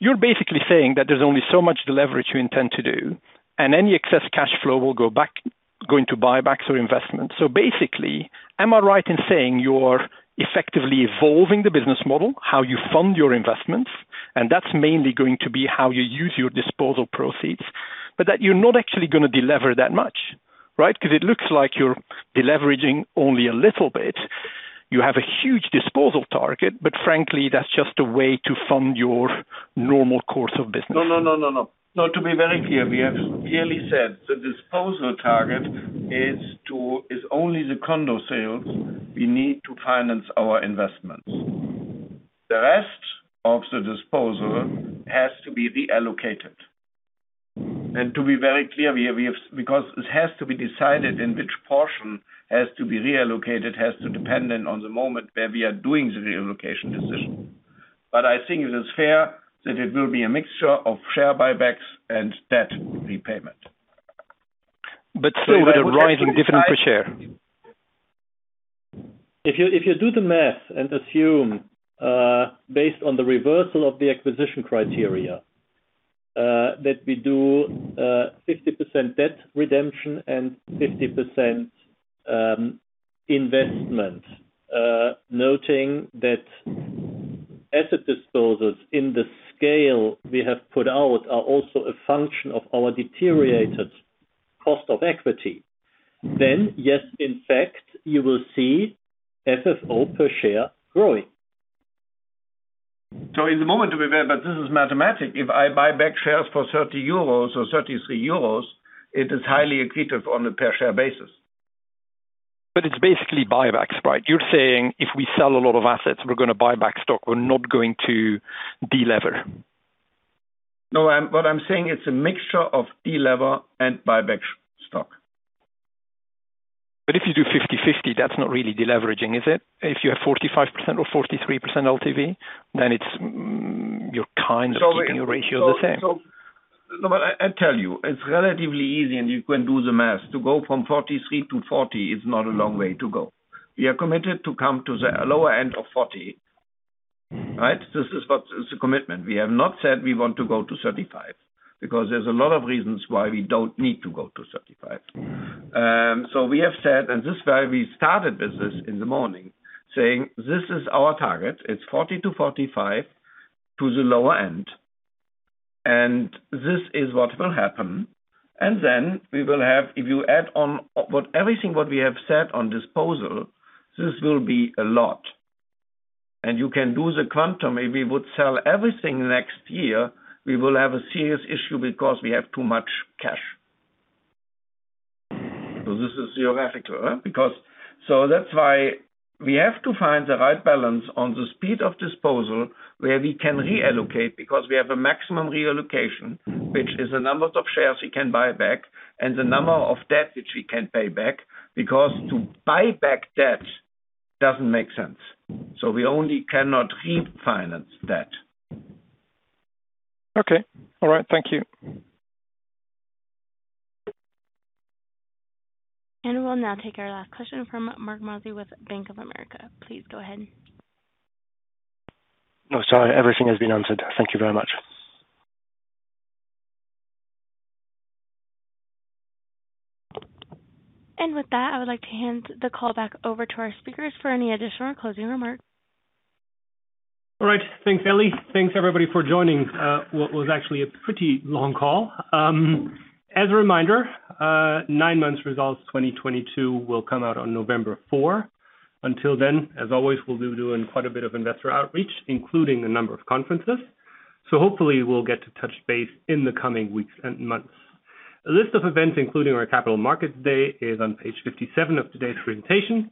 you're basically saying that there's only so much deleverage you intend to do, and any excess cash flow will go into buybacks or investments. Basically, am I right in saying you're effectively evolving the business model, how you fund your investments, and that's mainly going to be how you use your disposal proceeds, but that you're not actually gonna delever that much, right? 'Cause it looks like you're deleveraging only a little bit. You have a huge disposal target, but frankly, that's just a way to fund your normal course of business. No. To be very clear, we have clearly said the disposal target is only the condo sales we need to finance our investments. The rest of the disposal has to be reallocated. To be very clear, because it has to be decided in which portion has to be reallocated, has to depend on the moment where we are doing the reallocation decision. I think it is fair that it will be a mixture of share buybacks and debt repayment. Still with a rising dividend per share. If you do the math and assume, based on the reversal of the acquisition criteria, that we do 50% debt redemption and 50% investment, noting that asset disposals in the scale we have put out are also a function of our deteriorated cost of equity, then yes, in fact, you will see FFO per share growing. In the moment to be there, but this is mathematical. If I buy back shares for 30 euros or 33 euros, it is highly accretive on a per share basis. It's basically buybacks, right? You're saying if we sell a lot of assets, we're gonna buy back stock. We're not going to delever. No, what I'm saying it's a mixture of delever and buyback stock. If you do 50/50, that's not really deleveraging, is it? If you have 45% or 43% LTV, then it's. You're kind of keeping your ratio the same. No, I'll tell you, it's relatively easy, and you can do the math. To go from 43% to 40% is not a long way to go. We are committed to come to the lower end of 40%, right? This is what is the commitment. We have not said we want to go to 35%, because there's a lot of reasons why we don't need to go to 35%. We have said, and this is why we started business in the morning saying, "This is our target. It's 40%-45% to the lower end, and this is what will happen." Then we will have, if you add on everything what we have said on disposal, this will be a lot. You can do the quantum. If we would sell everything next year, we will have a serious issue because we have too much cash. This is theoretical, because. That's why we have to find the right balance on the speed of disposal, where we can reallocate, because we have a maximum reallocation, which is the number of shares we can buy back and the number of debt which we can pay back. Because to buy back debt doesn't make sense. We can only refinance debt. Okay. All right, thank you. We'll now take our last question from Marc Mozzi with Bank of America. Please go ahead. No, sorry. Everything has been answered. Thank you very much. With that, I would like to hand the call back over to our speakers for any additional closing remarks. All right. Thanks, Ellie. Thanks everybody for joining what was actually a pretty long call. As a reminder, nine months results 2022 will come out on November 4. Until then, as always, we'll be doing quite a bit of investor outreach, including a number of conferences. Hopefully we'll get to touch base in the coming weeks and months. A list of events, including our Capital Markets Day, is on page 57 of today's presentation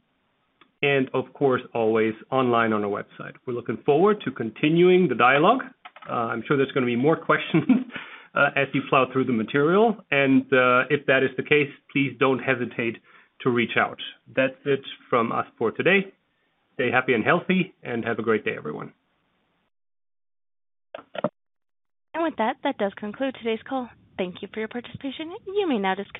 and of course, always online on our website. We're looking forward to continuing the dialogue. I'm sure there's gonna be more questions as you plow through the material. If that is the case, please don't hesitate to reach out. That's it from us for today. Stay happy and healthy, and have a great day, everyone. With that does conclude today's call. Thank you for your participation. You may now disconnect.